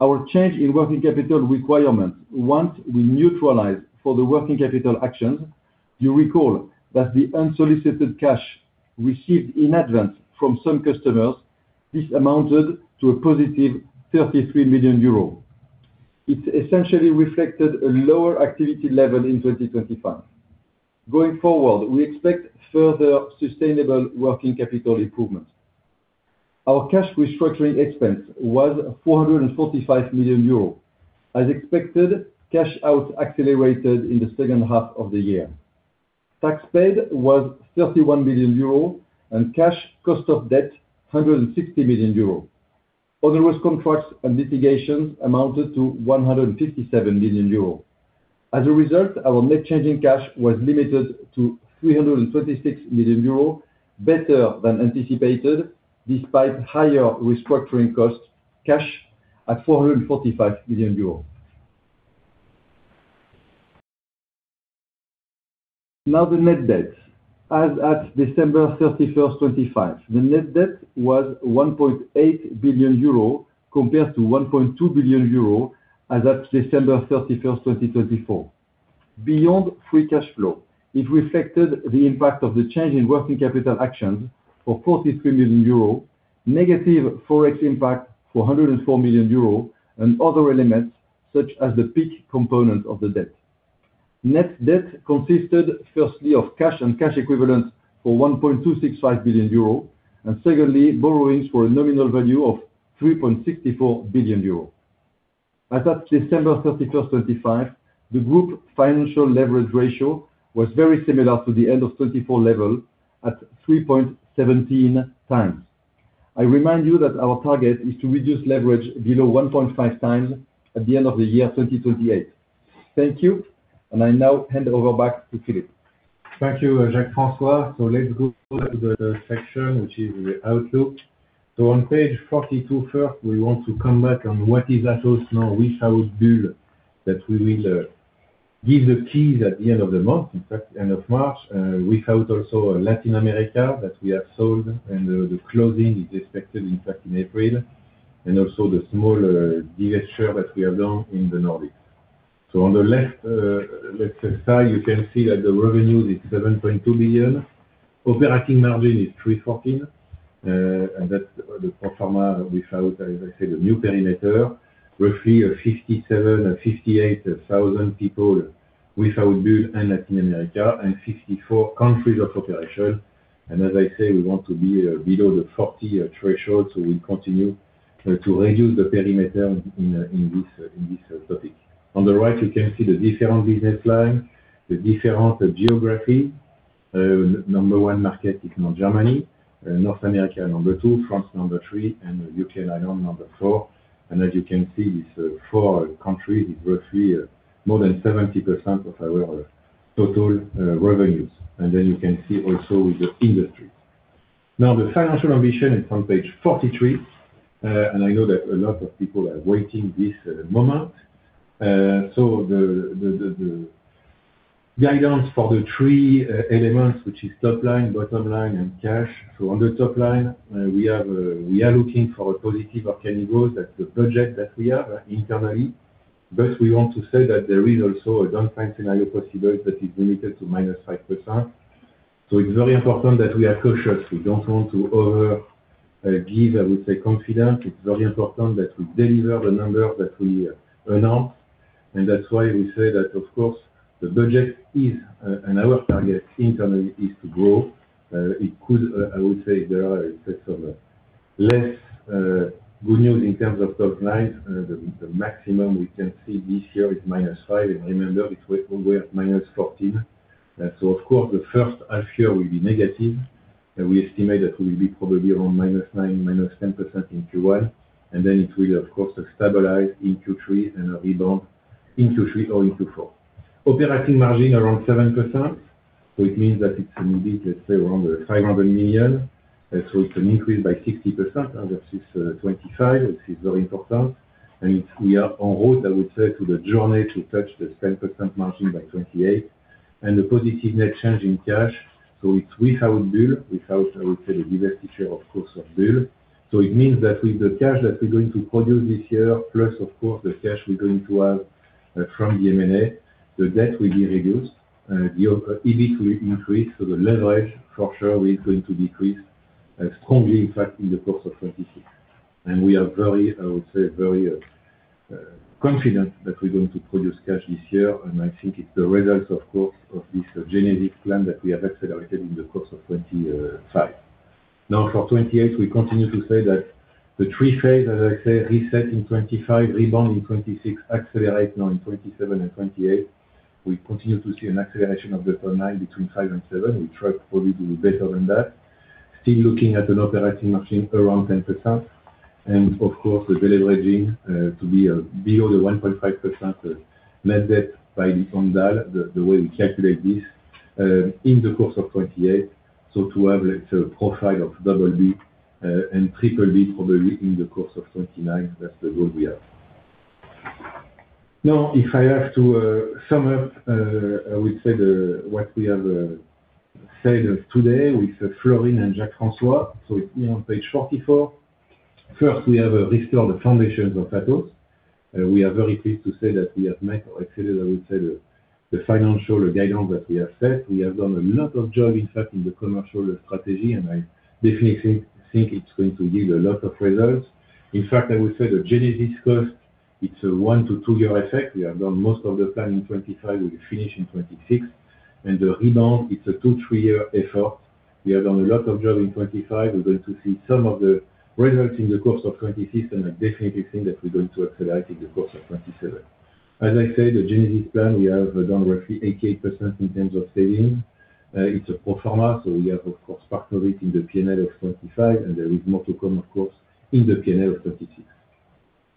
Our change in working capital requirements, once we neutralize for the working capital actions, you recall that the unsolicited cash received in advance from some customers, this amounted to a positive 33 million euros. It essentially reflected a lower activity level in 2025. Going forward, we expect further sustainable working capital improvements. Our cash restructuring expense was 445 million euros. As expected, cash out accelerated in the second half of the year. Tax paid was 31 million euros. Cash cost of debt, 160 million euros. Onerous contracts and litigation amounted to 157 million euros. As a result, our net change in cash was limited to 326 million euros, better than anticipated, despite higher restructuring costs, cash at 445 million euros. The net debt. As at December 31st, 2025, the net debt was 1.8 billion euro compared to 1.2 billion euro as at December 31st, 2024. Beyond free cash flow, it reflected the impact of the change in working capital actions for 43 million euros, negative Forex impact for 104 million euros, and other elements such as the peak component of the debt. Net debt consisted firstly of cash and cash equivalents for 1.265 billion euro, and secondly, borrowings for a nominal value of 3.64 billion euro. As at December 31st, 2025, the group financial leverage ratio was very similar to the end of 2024 level at 3.17x. I remind you that our target is to reduce leverage below 1.5x at the end of the year 2028. Thank you. I now hand over back to Philippe. Thank you, Jacques-François. Let's go to the section, which is the outlook. On page 42 first, we want to come back on what is Atos now without Bull that we will give the keys at the end of the month, in fact, end of March, without also Latin America that we have sold, and the closing is expected in fact in April, and also the small divestiture that we have done in the Nordics. On the left-hand side, you can see that the revenue is 7.2 billion. Operating margin is 314 million, and that's the pro forma without, as I said, the new perimeter. Roughly 57,000-58,000 people without Bull and Latin America and 54 countries of operation. As I say, we want to be below the 40 threshold, so we continue to reduce the perimeter in this topic. On the right, you can see the different business line, the different geography. Number 1 market is now Germany, North America number 2, France number 3, and UK and Ireland number 4. As you can see, these 4 countries is roughly more than 70% of our total revenues. Then you can see also the industry. Now, the financial ambition is on page 43. I know that a lot of people are waiting this moment. The guidance for the 3 elements, which is top line, bottom line, and cash. On the top line, we are looking for a positive organic growth. That's the budget that we have internally. We want to say that there is also a down time scenario possible that is limited to -5%. It's very important that we are cautious. We don't want to over give, I would say, confidence. It's very important that we deliver the number that we announce. That's why we say that, of course, the budget is and our target internally is to grow. It could, I would say there are, let's say, some less good news in terms of top line. The maximum we can see this year is -5%. Remember, we were at -14%. Of course, the first half year will be negative, and we estimate that will be probably around -9% to -10% in Q1. It will of course stabilize in Q3 and rebound in Q3 or in Q4. Operating margin around 7%. It means that it's indeed, let's say, around 500 million. It's an increase by 60%. Now that is 2025, which is very important. We are on road, I would say, to the journey to touch the 10% margin by 2028. The positive net change in cash. It's without Bull, without, I would say, the divestiture of course of Bull. It means that with the cash that we're going to produce this year, plus of course the cash we're going to have from the M&A, the debt will be reduced. The EBIT will increase, the leverage for sure is going to decrease strongly in fact in the course of 2026. We are very, I would say, very confident that we're going to produce cash this year. I think it's the result of course of this Genesis Plan that we have accelerated in the course of 2025. For 2028, we continue to say that the 3 phase, as I said, reset in 2025, rebound in 2026, accelerate now in 2027 and 2028. We continue to see an acceleration of the top line between 5% and 7%. We track probably to be better than that. Still looking at an operating margin around 10%. Of course, the deleveraging to be below the 1.5% net debt by the end of that, the way we calculate this, in the course of 2028. To have a profile of double digit and triple digit probably in the course of 2029. That's the goal we have. If I have to sum up, I would say what we have said today with Florin and Jacques-François. On page 44. First, we have restored the foundations of Atos. We are very pleased to say that we have met or exceeded the financial guidance that we have set. We have done a lot of job, in fact, in the commercial strategy, and I definitely think it's going to give a lot of results. In fact, I would say the Genesis cost, it's a 1-2 year effect. We have done most of the plan in 2025. We will finish in 2026. The rebound, it's a 2-3 year effort. We have done a lot of job in 2025. We're going to see some of the results in the course of 2026. I definitely think that we're going to accelerate in the course of 2027. As I said, the Genesis Plan, we have done roughly 80% in terms of savings. It's a pro forma, we have of course part of it in the P&L of 2025. There is more to come of course in the P&L of 2026.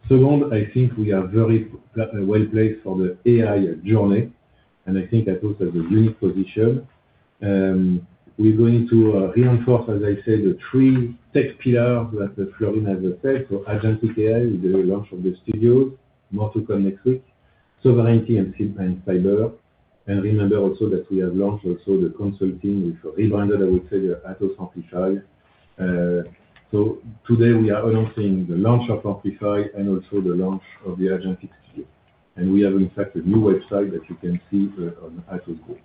Second, I think we are very well placed for the AI journey. I think Atos has a unique position. We're going to reinforce, as I said, the three tech pillars that Florin has said. Agentic AI, the launch of the studio, more to come next week. Sovereignty and cyber. Remember also that we have launched also the consulting, which rebranded, I would say, Atos Amplify. Today we are announcing the launch of Amplify and also the launch of the Agentic Studio. We have in fact a new website that you can see on Atos Group.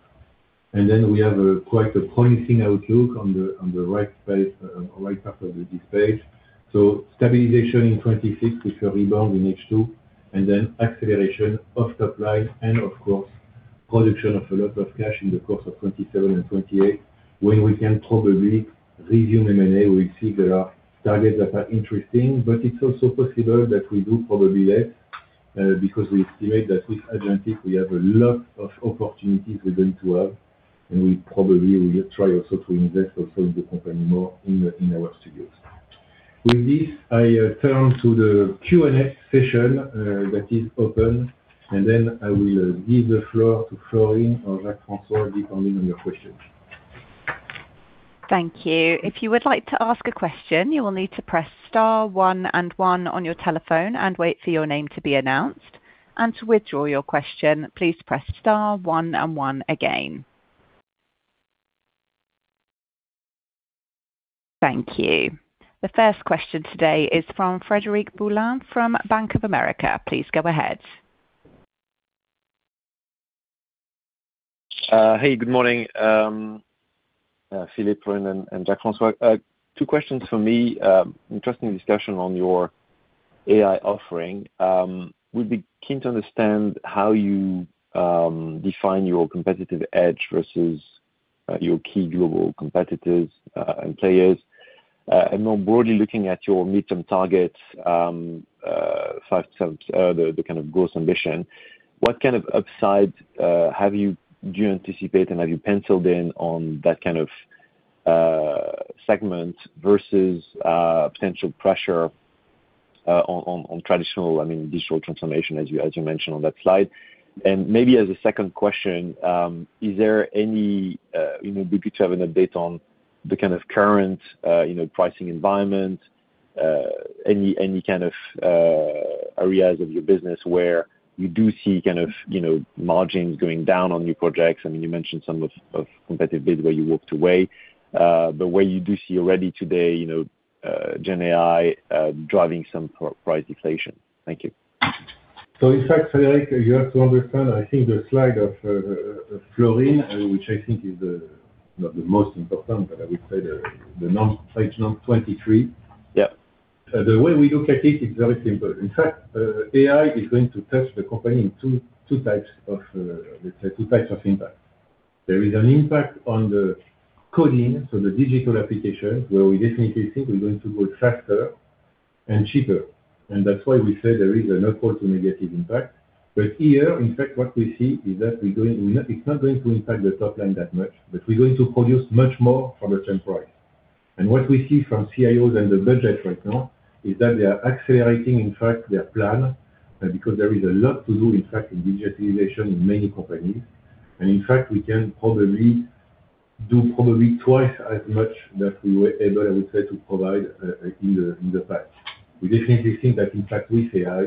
We have a quite a promising outlook on the right page, right half of this page. Stabilization in 2026, with a rebound in H2, acceleration of top line and of course, production of a lot of cash in the course of 2027 and 2028. When we can probably resume M&A, we see there are targets that are interesting, but it's also possible that we do probably less because we estimate that with agentic we have a lot of opportunities we're going to have, and we probably will try also to invest in the company more in our studios. With this, I turn to the Q&A session that is open. I will give the floor to Florin or Jacques-François, depending on your questions. Thank you. If you would like to ask a question, you will need to press star one and one on your telephone and wait for your name to be announced. To withdraw your question, please press star one and one again. Thank you. The first question today is from Frederic Boulan from Bank of America. Please go ahead. Good morning, Philippe and Jacques-François. Two questions for me. Interesting discussion on your AI offering. Would be keen to understand how you define your competitive edge versus your key global competitors and players. More broadly, looking at your midterm targets, [5 terms], the kind of growth ambition, what kind of upside do you anticipate and have you penciled in on that kind of segment versus potential pressure on traditional, I mean, digital transformation as you mentioned on that slide? Maybe as a 2nd question, is there any, you know, would you have an update on the kind of current, you know, pricing environment? Any kind of areas of your business where you do see kind of, you know, margins going down on new projects? I mean, you mentioned some of competitive bids where you walked away, where you do see already today, you know, GenAI driving some price deflation. Thank you. In fact, Frederic, you have to understand, I think the slide of Florin, and which I think is not the most important, but I would say the Slide 23. Yeah. The way we look at it is very simple. In fact, AI is going to touch the company in two types of, let's say two types of impact. There is an impact on the coding, so the digital application, where we definitely think we're going to go faster and cheaper. That's why we say there is a net positive immediate impact. Here, in fact, what we see is that we're not going to impact the top line that much, but we're going to produce much more for the same price. What we see from CIOs and the budget right now is that they are accelerating, in fact, their plan, because there is a lot to do, in fact, in digitalization in many companies. In fact, we can probably do probably twice as much that we were able, I would say, to provide in the past. We definitely think that, in fact, with AI,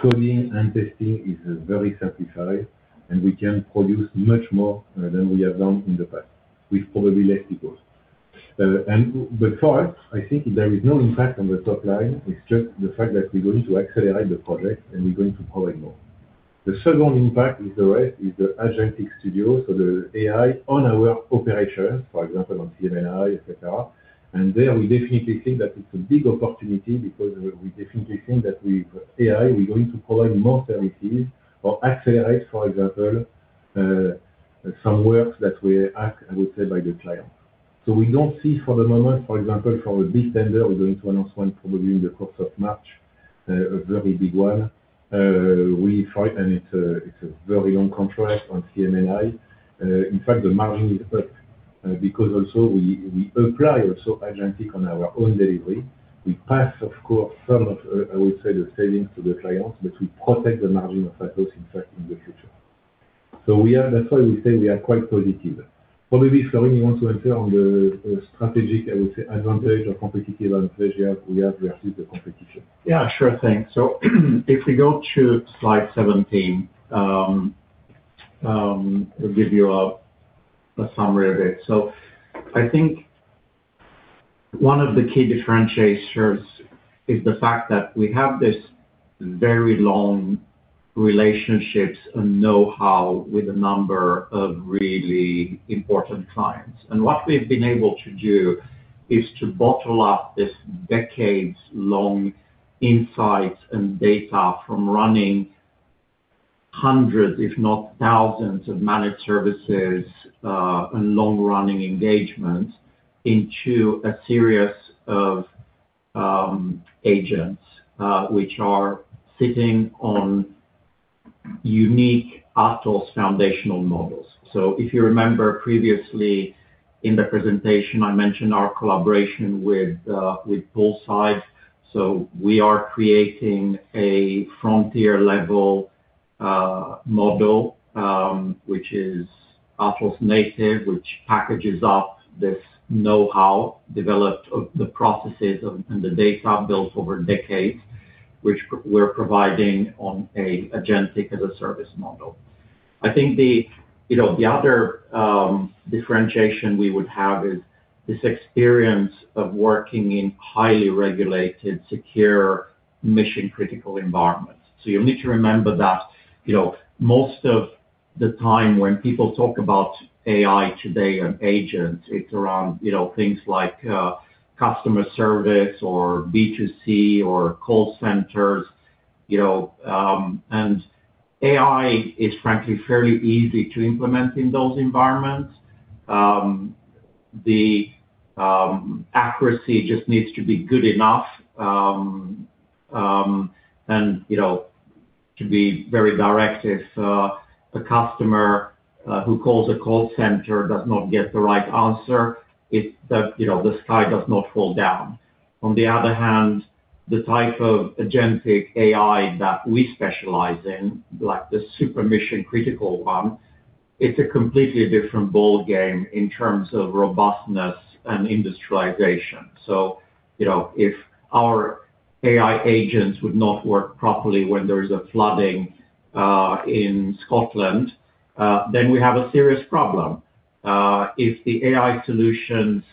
coding and testing is very simplified, and we can produce much more than we have done in the past with probably less people. The cost, I think there is no impact on the top line. It's just the fact that we're going to accelerate the project, and we're going to provide more. The second impact is the rest, is the Agentic Studio, so the AI on our operations, for example, on CMMI, et cetera. There, we definitely think that it's a big opportunity because we definitely think that with AI, we're going to provide more services or accelerate, for example, some works that we act, I would say, by the client. We don't see for the moment, for example, from a big tender, we're going to announce one probably in the course of March, a very big one. We fight, and it's a very long contract on CMMI. In fact, the margin is up because also we apply also agentic on our own delivery. We pass, of course, some of, I would say, the savings to the clients, but we protect the margin of Atos in fact in the future. That's why we say we are quite positive. Probably, Florin, you want to enter on the strategic, I would say, advantage or competitive advantage we have versus the competition. Yeah, sure thing. If we go to Slide 17, I'll give you a summary of it. I think one of the key differentiators is the fact that we have this very long relationships and know-how with a number of really important clients. What we've been able to do is to bottle up this decades long insight and data from running hundreds, if not thousands, of managed services, and long-running engagements into a series of agents, which are sitting on unique Atos foundational models. If you remember previously in the presentation, I mentioned our collaboration with Poolside. We are creating a frontier level model, which is Atos native, which packages up this know-how, developed of the processes and the data built over decades, which we're providing on a agentic as a service model. I think the, you know, the other differentiation we would have is this experience of working in highly regulated, secure, mission-critical environments. You'll need to remember that, you know, most of the time when people talk about AI today and agents, it's around, you know, things like customer service or B2C or call centers, you know, and AI is frankly fairly easy to implement in those environments. The accuracy just needs to be good enough, and, you know, to be very direct if a customer who calls a call center does not get the right answer, the, you know, the sky does not fall down. On the other hand, the type of agentic AI that we specialize in, like the super mission-critical one, it's a completely different ballgame in terms of robustness and industrialization. You know, if our AI agents would not work properly when there is a flooding in Scotland, then we have a serious problem. If the AI solutions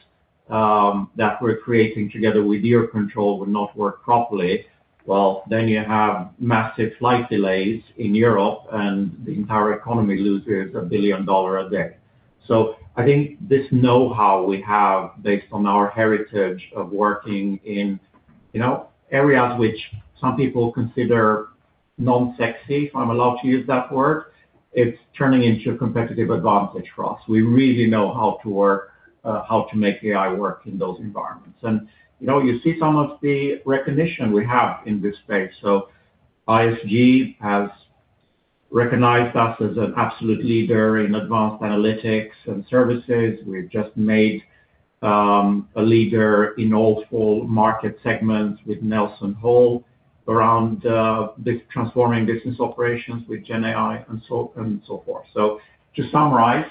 that we're creating together with EUROCONTROL would not work properly, well, then you have massive flight delays in Europe, and the entire economy loses $1 billion a day. I think this know-how we have based on our heritage of working in, you know, areas which some people consider non-sexy, if I'm allowed to use that word, it's turning into a competitive advantage for us. We really know how to work, how to make AI work in those environments. You know, you see some of the recognition we have in this space. ISG has recognized us as an absolute leader in advanced analytics and services. We've just made a leader in all four market segments with NelsonHall around the transforming business operations with GenAI and so, and so forth. To summarize,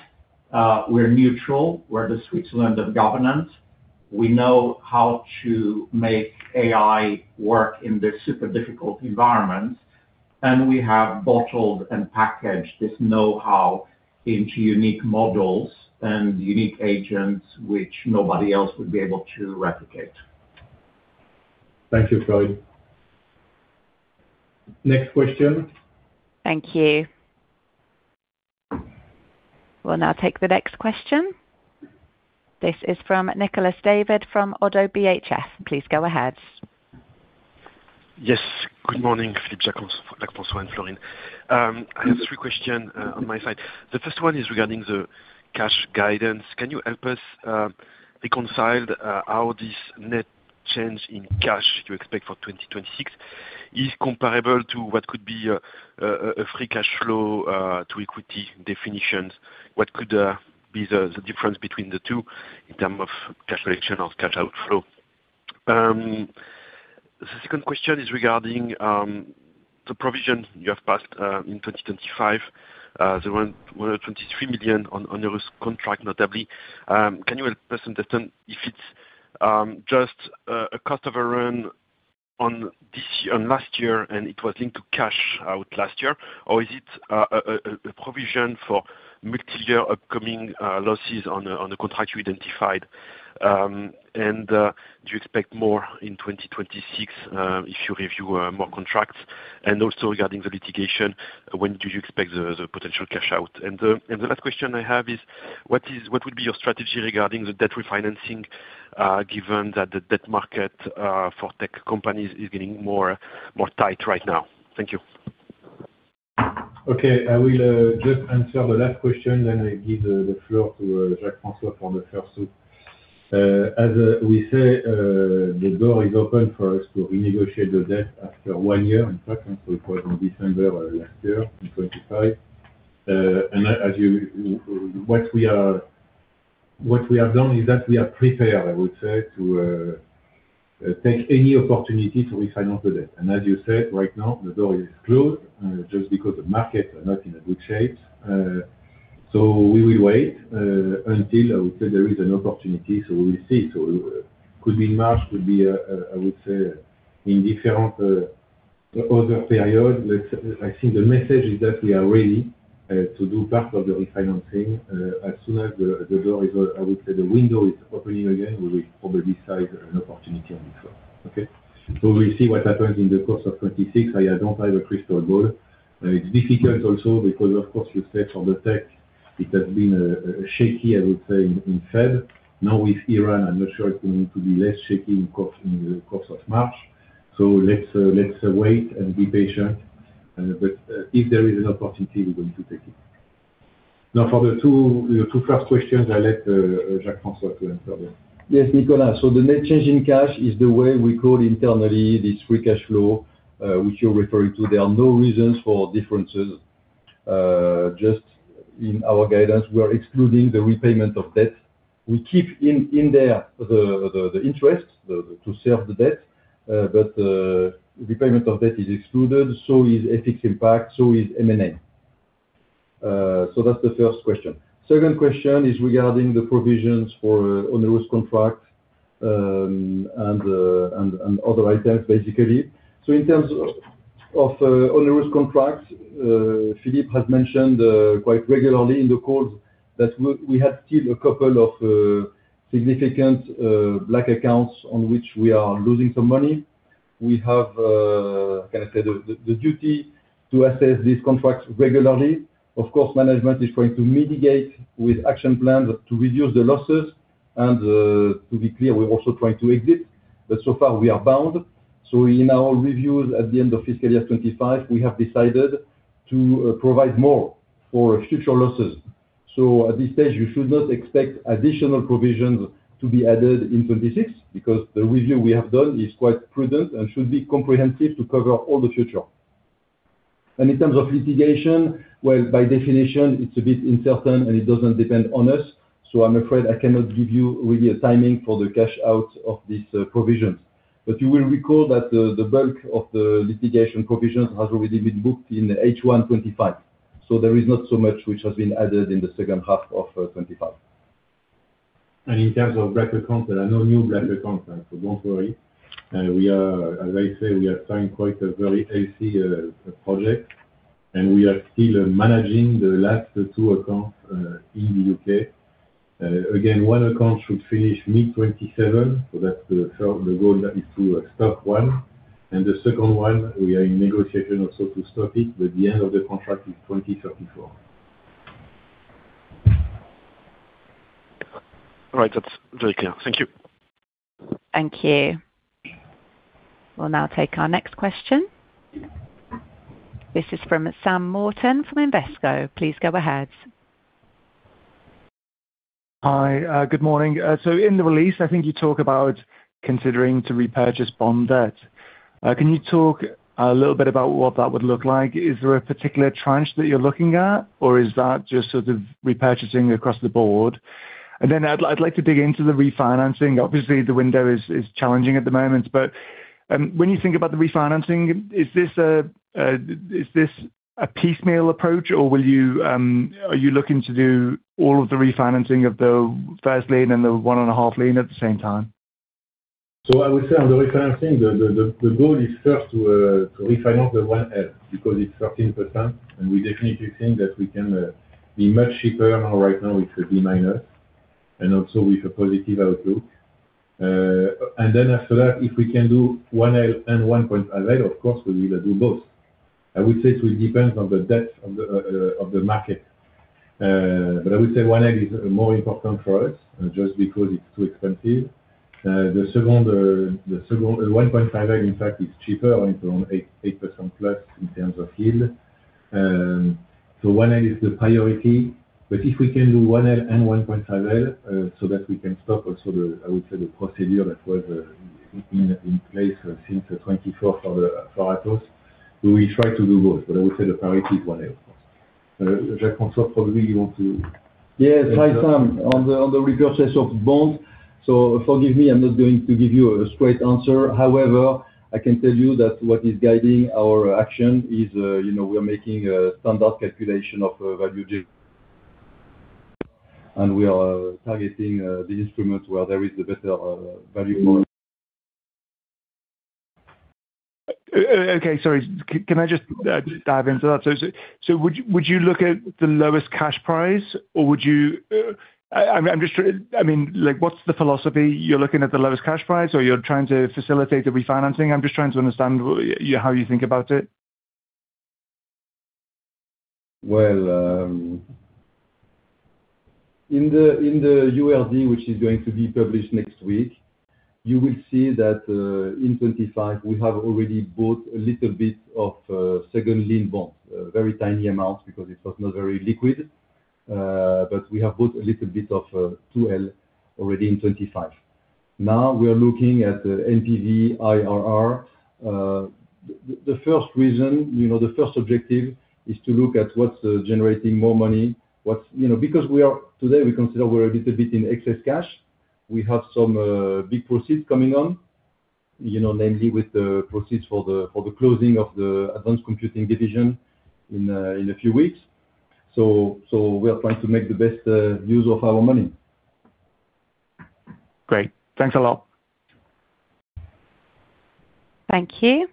we're neutral. We're the Switzerland of governance. We know how to make AI work in these super difficult environments, and we have bottled and packaged this know-how into unique models and unique agents which nobody else would be able to replicate. Thank you, Florin. Next question. Thank you. We'll now take the next question. This is from Nicolas David from ODDO BHF. Please go ahead. Yes. Good morning, Philippe, Jacques-François and Florin. I have three question on my side. The first one is regarding the cash guidance. Can you help us reconcile how this net change in cash you expect for 2026 is comparable to what could be a free cash flow to equity definitions? What could be the difference between the two in term of cash collection or cash outflow? The second question is regarding the provision you have passed in 2025. The 123 million on this contract notably. Can you help us understand if it's just a cost overrun on last year and it was linked to cash out last year? Is it a provision for multi-year upcoming losses on the contract you identified? Do you expect more in 2026 if you review more contracts? Regarding the litigation, when do you expect the potential cash out? The last question I have is what would be your strategy regarding the debt refinancing, given that the debt market for tech companies is getting more tight right now? Thank you. Okay. I will just answer the last question, then I give the floor to Jacques-François for the first two. The door is open for us to renegotiate the debt after one year. In fact, since we closed on December of last year, in 2025. What we have done is that we are prepared to take any opportunity to refinance the debt. As you said, right now, the door is closed just because the markets are not in a good shape. We will wait until there is an opportunity, we will see. Could be in March, could be in different other period. I think the message is that we are ready to do part of the refinancing. As soon as the door is, I would say the window is opening again, we will probably decide an opportunity on this one. Okay. We'll see what happens in the course of 2026. I don't have a crystal ball. It's difficult also because of course you said for the tech it has been shaky I would say in February. With Iran, I'm not sure it's going to be less shaky in course, in the course of March. Let's wait and be patient, but if there is an opportunity we're going to take it. For the two, the two first questions I'll let Jacques-François to answer them. Nicolas. The net change in cash is the way we call internally this free cash flow, which you're referring to. There are no reasons for differences. Just in our guidance, we are excluding the repayment of debt. We keep in there the interest to serve the debt, but the repayment of debt is excluded. Is FX impact, so is M&A. That's the first question. Second question is regarding the provisions for onerous contract, and other items, basically. In terms of onerous contracts, Philippe has mentioned quite regularly in the calls that we had still a couple of significant black accounts on which we are losing some money. We have, can I say the duty to assess these contracts regularly. Of course, management is going to mitigate with action plans to reduce the losses and, to be clear, we're also trying to exit. So far we are bound. In our reviews at the end of fiscal year 2025, we have decided to provide more for future losses. At this stage, you should not expect additional provisions to be added in 2026 because the review we have done is quite prudent and should be comprehensive to cover all the future. In terms of litigation, well, by definition, it's a bit uncertain, and it doesn't depend on us. I'm afraid I cannot give you really a timing for the cash out of these provisions. You will recall that the bulk of the litigation provisions has already been booked in H1 2025. There is not so much which has been added in the second half of 2025. In terms of record content, I know you read the content, so don't worry. As I said, we are trying quite a very icy project, and we are still managing the last 2 accounts in the U.K.. Again, one account should finish mid-2027, so that's the goal that is to stop one. The second one, we are in negotiation also to stop it, but the end of the contract is 2034. All right. That's very clear. Thank you. Thank you. We'll now take our next question. This is from Sam Morton from Invesco. Please go ahead. Hi, good morning. In the release, I think you talk about considering to repurchase bond debt. Can you talk a little bit about what that would look like? Is there a particular tranche that you're looking at, or is that just sort of repurchasing across the board? Then I'd like to dig into the refinancing. Obviously, the window is challenging at the moment, when you think about the refinancing, is this a piecemeal approach, or will you, are you looking to do all of the refinancing of the first lien and the one and a half lien at the same time? I would say on the refinancing, the goal is first to refinance the 1L because it's 13%, and we definitely think that we can be much cheaper right now with the B- and also with a positive outlook. After that, if we can do 1L and 1.5L, of course, we'll either do both. I would say it will depend on the depth of the market. I would say 1L is more important for us just because it's too expensive. The second one, the second 1.5L, in fact, is cheaper. It's around 8%+ in terms of yield. 1L is the priority. If we can do 1L and 1.5L, so that we can stop also the, I would say, the procedure that was in place since the 24th for Atos, we try to do both. I would say the priority is 1L. Jacques-François, probably you want to... Yes. Hi, Sam. On the repurchase of bonds. Forgive me, I'm not going to give you a straight answer. However, I can tell you that what is guiding our action is, you know, we are making a standard calculation of [value G]. We are targeting the instruments where there is the better value model. Okay. Sorry. Can I just dive into that? Would you look at the lowest cash price, or would you... I'm just trying, I mean, like, what's the philosophy? You're looking at the lowest cash price, or you're trying to facilitate the refinancing? I'm just trying to understand how you think about it? In the URD, which is going to be published next week, you will see that in 2025, we have already bought a little bit of second-lien bonds, a very tiny amount because it was not very liquid. We have bought a little bit of 2L already in 25. We are looking at the NPV/IRR. The first reason, you know, the first objective is to look at what's generating more money, what's. You know, because today we consider we're a little bit in excess cash. We have some big proceeds coming on, you know, namely with the proceeds for the closing of the advanced computing division in a few weeks. We are trying to make the best use of our money. Great. Thanks a lot. Thank you.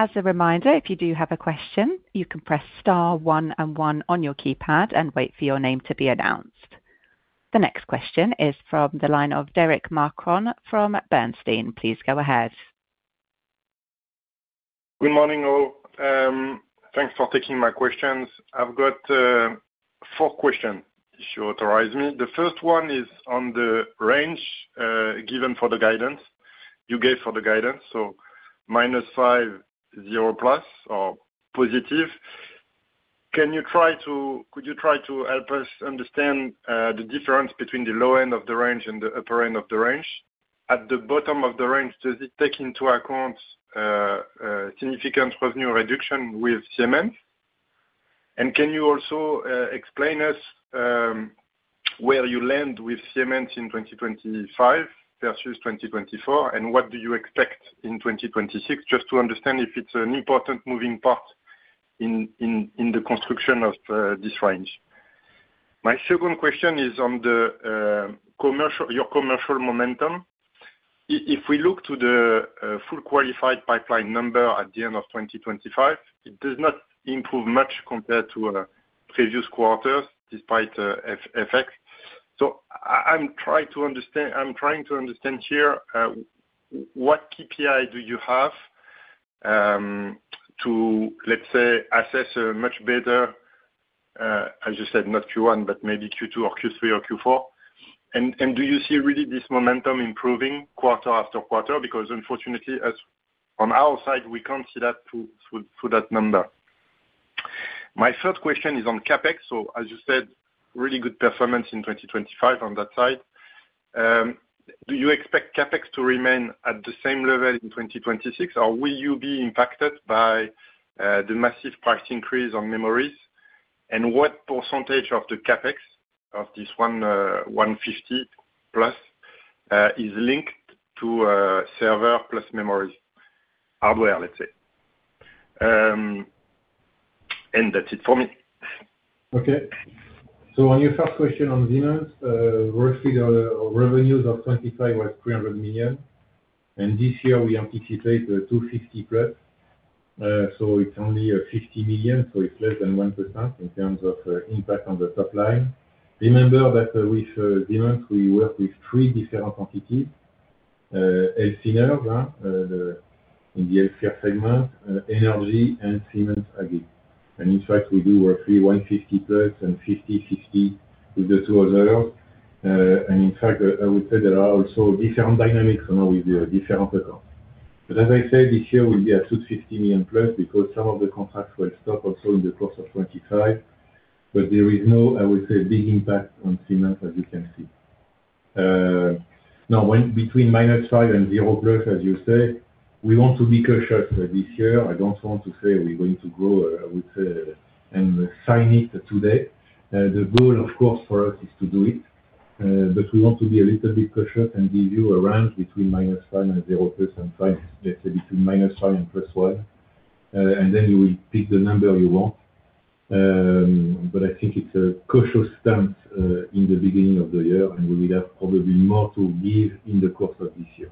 As a reminder, if you do have a question, you can press star one and one on your keypad and wait for your name to be announced. The next question is from the line of Derric Marcon from Bernstein. Please go ahead. Good morning, all. Thanks for taking my questions. I've got four questions, if you authorize me. The first one is on the range given for the guidance, you gave for the guidance, so -5%, 0%+ or positive. Can you try to help us understand the difference between the low end of the range and the upper end of the range? At the bottom of the range, does it take into account significant revenue reduction with Siemens? Can you also explain us where you land with Siemens in 2025 versus 2024, and what do you expect in 2026, just to understand if it's an important moving part in the construction of this range. My second question is on your commercial momentum. If we look to the full qualified pipeline number at the end of 2025, it does not improve much compared to previous quarters despite FX. I'm trying to understand, I'm trying to understand here what KPI do you have to, let's say, assess a much better, as you said, not Q1, but maybe Q2 or Q3 or Q4. Do you see really this momentum improving quarter after quarter? Because unfortunately, as on our side, we can't see that through that number. My third question is on CapEx. As you said, really good performance in 2025 on that side. Do you expect CapEx to remain at the same level in 2026, or will you be impacted by the massive price increase on memories? What percentage of the CapEx of this 150+ is linked to server plus memories, hardware, let's say? That's it for me. Okay. On your first question on Siemens, roughly our revenues of 2025 was 300 million, and this year we anticipate 260 million+. It's only 50 million, so it's less than 1% in terms of impact on the top line. Remember that with Siemens, we work with three different entities. Siemens Healthineers, the, in the Healthcare segment, Energy and Siemens AG. In fact, we do work 150 million+ and 50 million-60 million with the two others. In fact, I would say there are also different dynamics and with the different accounts. As I said, this year will be at 250 million+ because some of the contracts were stopped also in the course of 2025. There is no, I would say, big impact on Siemens, as you can see. Now when between -5% and 0%+, as you say, we want to be cautious this year. I don't want to say we're going to grow with and sign it today. The goal, of course, for us is to do it, but we want to be a little bit cautious and give you a range between -5% and 0% five. Let's say between -5% and +1%. Then you will pick the number you want. But I think it's a cautious stance in the beginning of the year, and we will have probably more to give in the course of this year.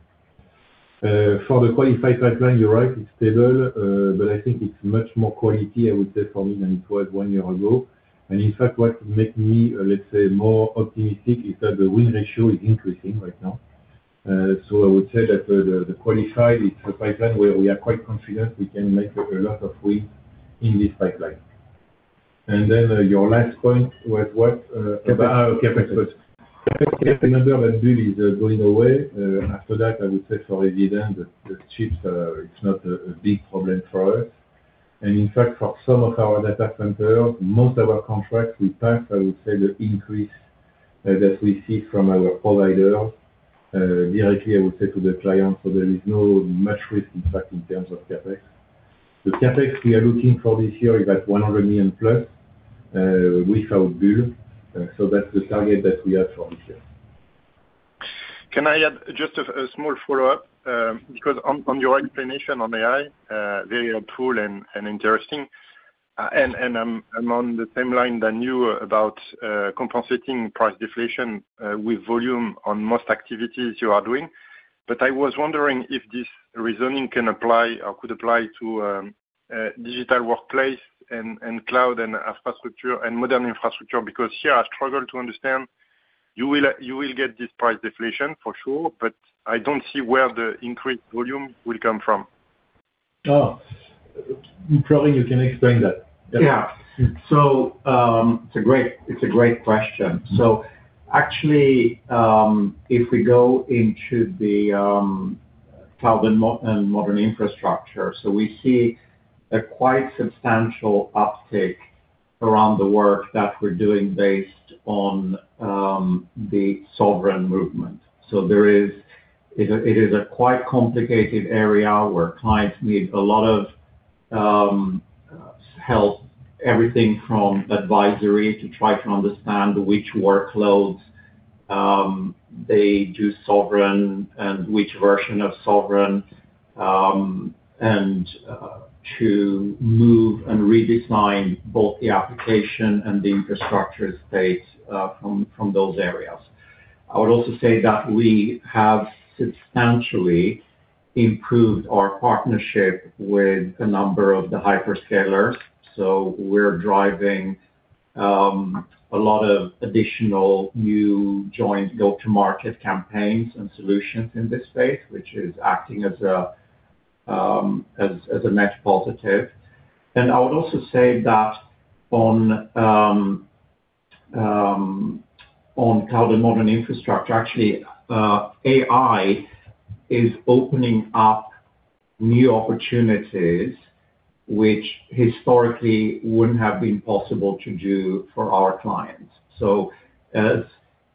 For the qualified pipeline, you're right, it's stable, but I think it's much more quality, I would say, for me than it was 1 year ago. In fact, what makes me, let's say, more optimistic is that the win ratio is increasing right now. I would say that the qualified, it's a pipeline where we are quite confident we can make a lot of wins in this pipeline. Then, your last point was what. CapEx. CapEx. CapEx number that Bull is going away. After that, I would say for Eviden that the chips, it's not a big problem for us. In fact, for some of our data centers, most of our contracts, we pass, I would say, the increase that we see from our provider, directly, I would say, to the client. There is no much risk impact in terms of CapEx. The CapEx we are looking for this year is at 100 million+, without Bull. That's the target that we have for this year. Can I add just a small follow-up? Because on your explanation on AI, very helpful and interesting. I'm on the same line than you about compensating price deflation with volume on most activities you are doing. I was wondering if this reasoning can apply or could apply to digital workplace and cloud and infrastructure and modern infrastructure, because here I struggle to understand. You will get this price deflation for sure, but I don't see where the increased volume will come from. Oh, Florin you can explain that. Yeah, it's a great question. Actually, if we go into the cloud and modern infrastructure, so we see a quite substantial uptick around the work that we're doing based on the sovereign movement. It is a quite complicated area where clients need a lot of help, everything from advisory to try to understand which workloads they do sovereign and which version of sovereign, and to move and redesign both the application and the infrastructure space from those areas. I would also say that we have substantially improved our partnership with a number of the hyperscalers. We're driving a lot of additional new joint go-to-market campaigns and solutions in this space, which is acting as a net positive. I would also say that on cloud and modern infrastructure, actually, AI is opening up new opportunities which historically wouldn't have been possible to do for our clients. As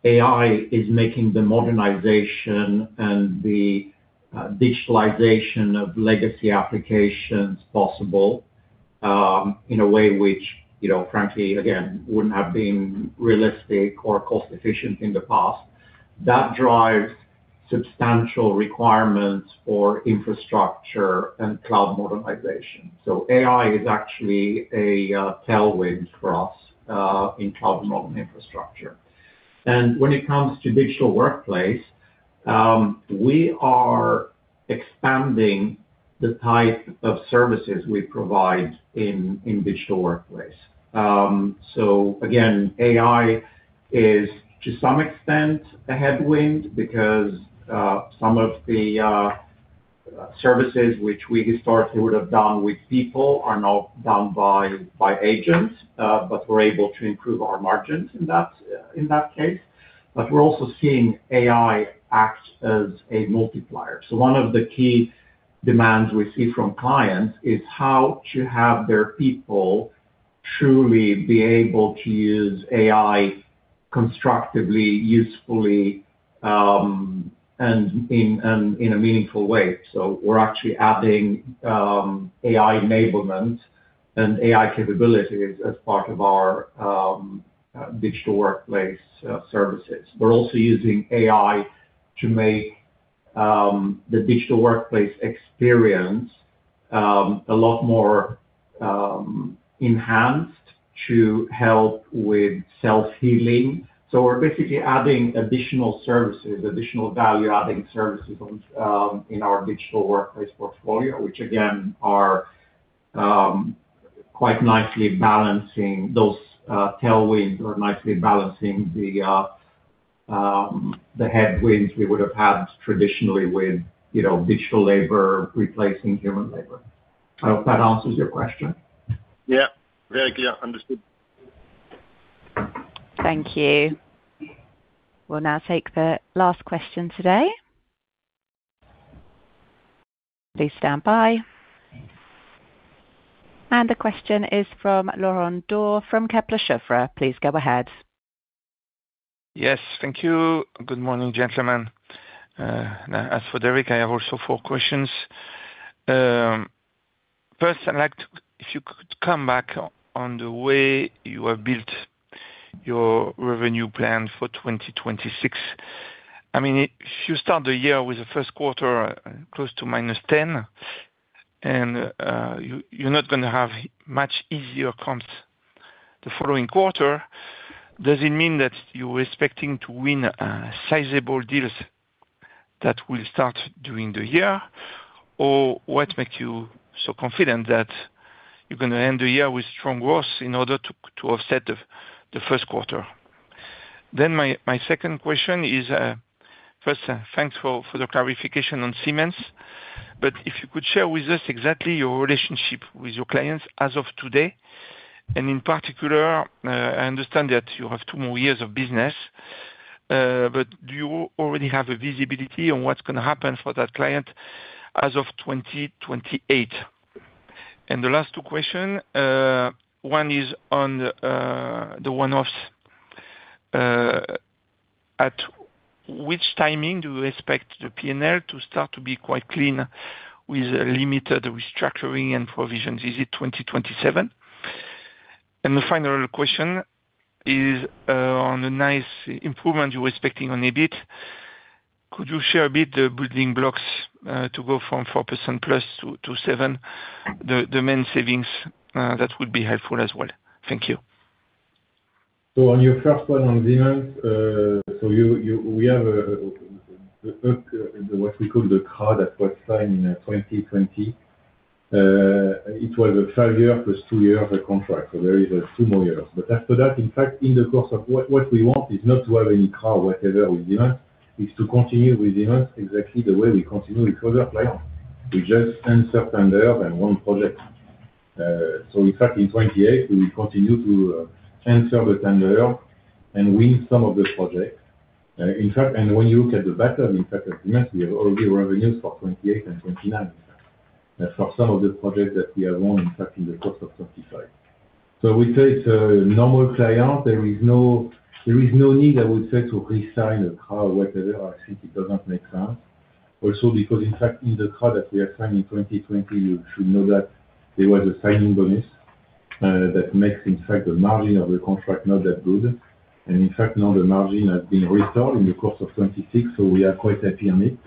AI is making the modernization and the digitalization of legacy applications possible, in a way which, you know, frankly, again, wouldn't have been realistic or cost efficient in the past, that drives substantial requirements for infrastructure and cloud modernization. AI is actually a tailwind for us in cloud and modern infrastructure. When it comes to digital workplace, we are expanding the type of services we provide in digital workplace. Again, AI is to some extent a headwind because some of the services which we historically would have done with people are now done by agents, but we're able to improve our margins in that case. We're also seeing AI act as a multiplier. One of the key demands we see from clients is how to have their people Truly be able to use AI constructively, usefully, and in, and in a meaningful way. We're actually adding AI enablement and AI capabilities as part of our digital workplace services. We're also using AI to make the digital workplace experience a lot more enhanced to help with self-healing. We're basically adding additional services, additional value-adding services on in our digital workplace portfolio, which again are quite nicely balancing those tailwinds or nicely balancing the headwinds we would have had traditionally with, you know, digital labor replacing human labor. I hope that answers your question. Yeah. Very clear. Understood. Thank you. We'll now take the last question today. Please stand by. The question is from Laurent Daure from Kepler Cheuvreux. Please go ahead. Yes. Thank you. Good morning, gentlemen. As for Derric, I have also four questions. First, I'd like if you could come back on the way you have built your revenue plan for 2026. I mean, if you start the year with the first quarter close to -10% and you're not gonna have much easier comps the following quarter, does it mean that you're expecting to win sizable deals that will start during the year? What makes you so confident that you're gonna end the year with strong growth in order to offset the first quarter? My second question is, first, thanks for the clarification on Siemens, if you could share with us exactly your relationship with your clients as of today, in particular, I understand that you have 2 more years of business, do you already have a visibility on what's gonna happen for that client as of 2028? The last two question, one is on the one-offs. At which timing do you expect the P&L to start to be quite clean with limited restructuring and provisions? Is it 2027? The final question is on the nice improvement you're expecting on EBIT. Could you share a bit the building blocks to go from 4%+ to 7%? The main savings, that would be helpful as well. Thank you. On your first one on Siemens, we have what we call the carve-out that was signed in 2020. It was a 5-year plus 2-year of a contract. There is 2 more years. After that, in fact, in the course of what we want is not to have any carve-out whatever with Siemens. It's to continue with Siemens exactly the way we continue with other clients. We just answer tender and one project. In fact, in 2028, we will continue to answer the tender and win some of the projects. In fact, when you look at the pattern, in fact, at Siemens, we have already revenues for 2028 and 2029 for some of the projects that we have won, in fact, in the course of 2025. We say it's a normal client. There is no need, I would say, to resign a car or whatever. I think it does not make sense. Because in fact, in the car that we are signing 2020, you should know that there was a signing bonus that makes in fact the margin of the contract not that good. In fact, now the margin has been restored in the course of 2026, we are quite happy on it.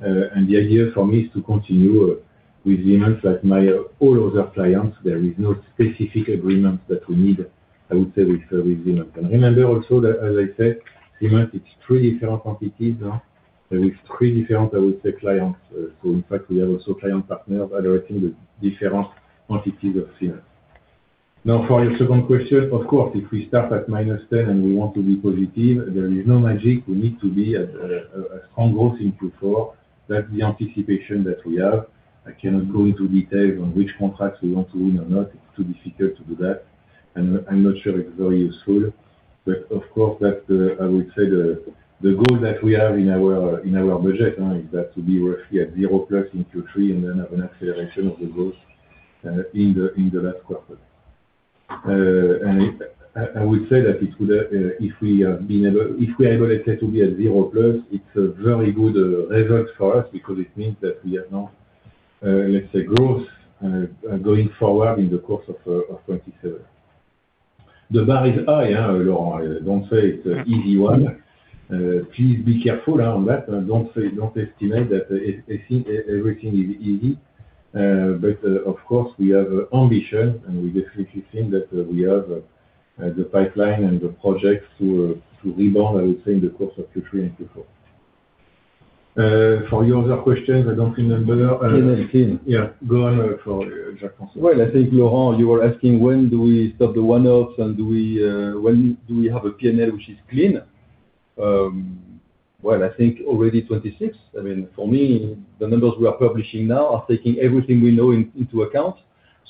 The idea for me is to continue with Siemens like my all other clients. There is no specific agreement that we need, I would say with Siemens. Remember also that, as I said, Siemens, it's three different quantities. There is 3 different, I would say, clients. In fact, we have also client partners evaluating the different quantities of Siemens. For your second question, of course, if we start at -10 and we want to be positive, there is no magic. We need to be at a strong growth in Q4. That's the anticipation that we have. I cannot go into detail on which contracts we want to win or not. It's too difficult to do that. I'm not sure it's very useful. Of course, that I would say the goal that we have in our budget now is that to be roughly at 0+ in Q3 and then have an acceleration of the growth in the last quarter. I would say that it would if we been able. If we are able to be at 0+, it's a very good result for us because it means that we have now growth going forward in the course of 2027. The bar is high, huh, Laurent. Don't say it's an easy one. Please be careful on that. Don't say, don't estimate that everything is easy. Of course, we have ambition, and we definitely think that we have the pipeline and the projects to rebound, I would say, in the course of Q3 and Q4. For your other questions, I don't remember. [Clean P&L. Yeah. Go on for Jacques-François. Well, I think, Laurent, you were asking when do we stop the one-offs and do we, when do we have a P&L which is clean? Well, I think already 2026. I mean, for me, the numbers we are publishing now are taking everything we know in, into account.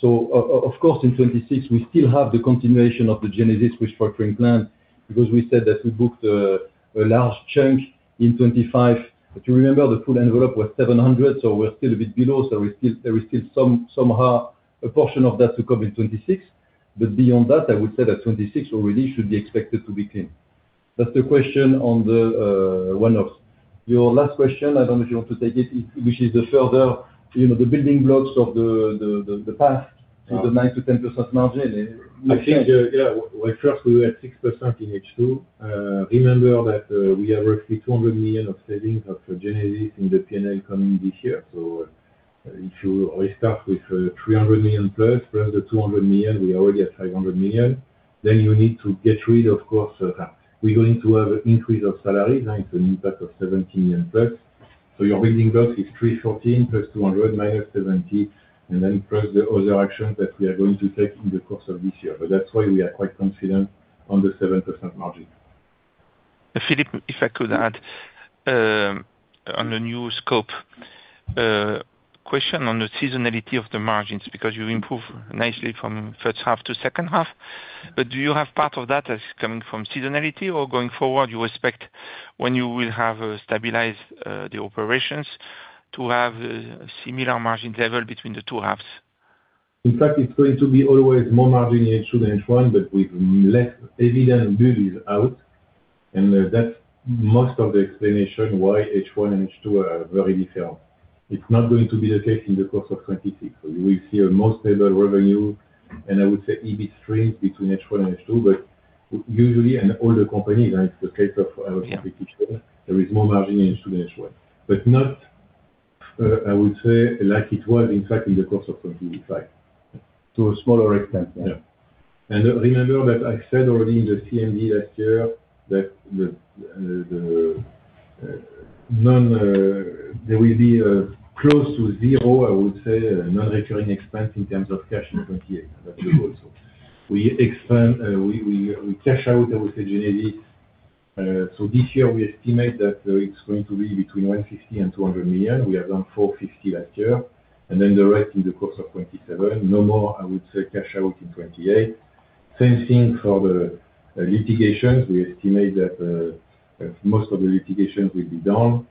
Of course, in 2026, we still have the continuation of the Genesis restructuring plan. We said that we booked a large chunk in 2025. You remember the full envelope was 700, we're still a bit below, there is still some, somehow a portion of that to come in 2026. Beyond that, I would say that 2026 already should be expected to be clean. That's the question on the one-offs. Your last question, I don't know if you want to take it, which is the further, you know, the building blocks of the past to the 9%-10% margin. I think, yeah, well first we were at 6% in H2. Remember that we have roughly 200 million of savings after Genesis in the PNL coming this year. If you always start with 300 million plus the 200 million, we already have 500 million, then you need to get rid, of course. We're going to have an increase of salary. Now it's an impact of 17 million+. Your building block is 314 plus 200 minus 70, plus the other actions that we are going to take in the course of this year. That's why we are quite confident on the 7% margin. Philippe, if I could add, on the new scope, question on the seasonality of the margins, because you improve nicely from first half to second half. Do you have part of that as coming from seasonality or going forward, you expect when you will have, stabilized, the operations to have, similar margin level between the two halves? In fact, it's going to be always more margin in H2 than H1, but with less Eviden Bull is out. That's most of the explanation why H1 and H2 are very different. It's not going to be the case in the course of 2026. You will see a more stable revenue. I would say EBIT strength between H1 and H2. Usually in older companies, like the case of our competitor, there is more margin in H2 than H1. Not, I would say like it was in fact in the course of 2025. To a smaller extent. Yeah. Remember that I said already in the CMD last year that the there will be close to zero, I would say, non-recurring expense in terms of cash in 2028. That's the goal. We expand, we cash out, I would say, Genesis. This year we estimate that it's going to be between 150 million-200 million. We have done 450 million last year. The rest in the course of 2027. No more, I would say, cash out in 2028. Same thing for the litigation. We estimate that most of the litigation will be done.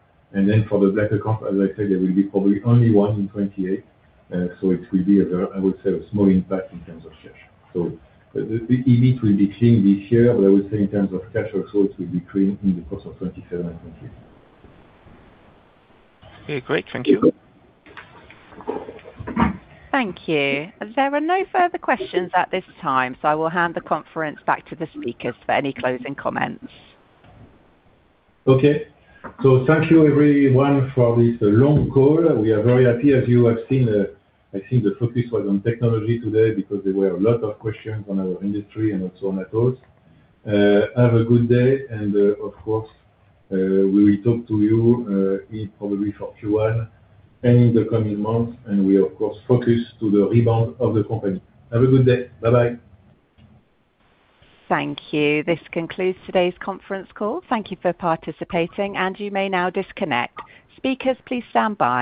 For the better comp, as I said, there will be probably only one in 2028. It will be a very, I would say, a small impact in terms of cash. The EBIT will be clean this year, but I would say in terms of cash flows, it will be clean in the course of 2027 and 2028. Okay, great. Thank you. Thank you. There are no further questions at this time, so I will hand the conference back to the speakers for any closing comments. Okay. Thank you everyone for this long call. We are very happy. As you have seen, I think the focus was on technology today because there were a lot of questions on our industry and also on our goals. Have a good day. Of course, we will talk to you in probably for Q1 and in the coming months, and we of course focus to the rebound of the company. Have a good day. Bye-bye. Thank you. This concludes today's conference call. Thank you for participating, and you may now disconnect. Speakers, please stand by.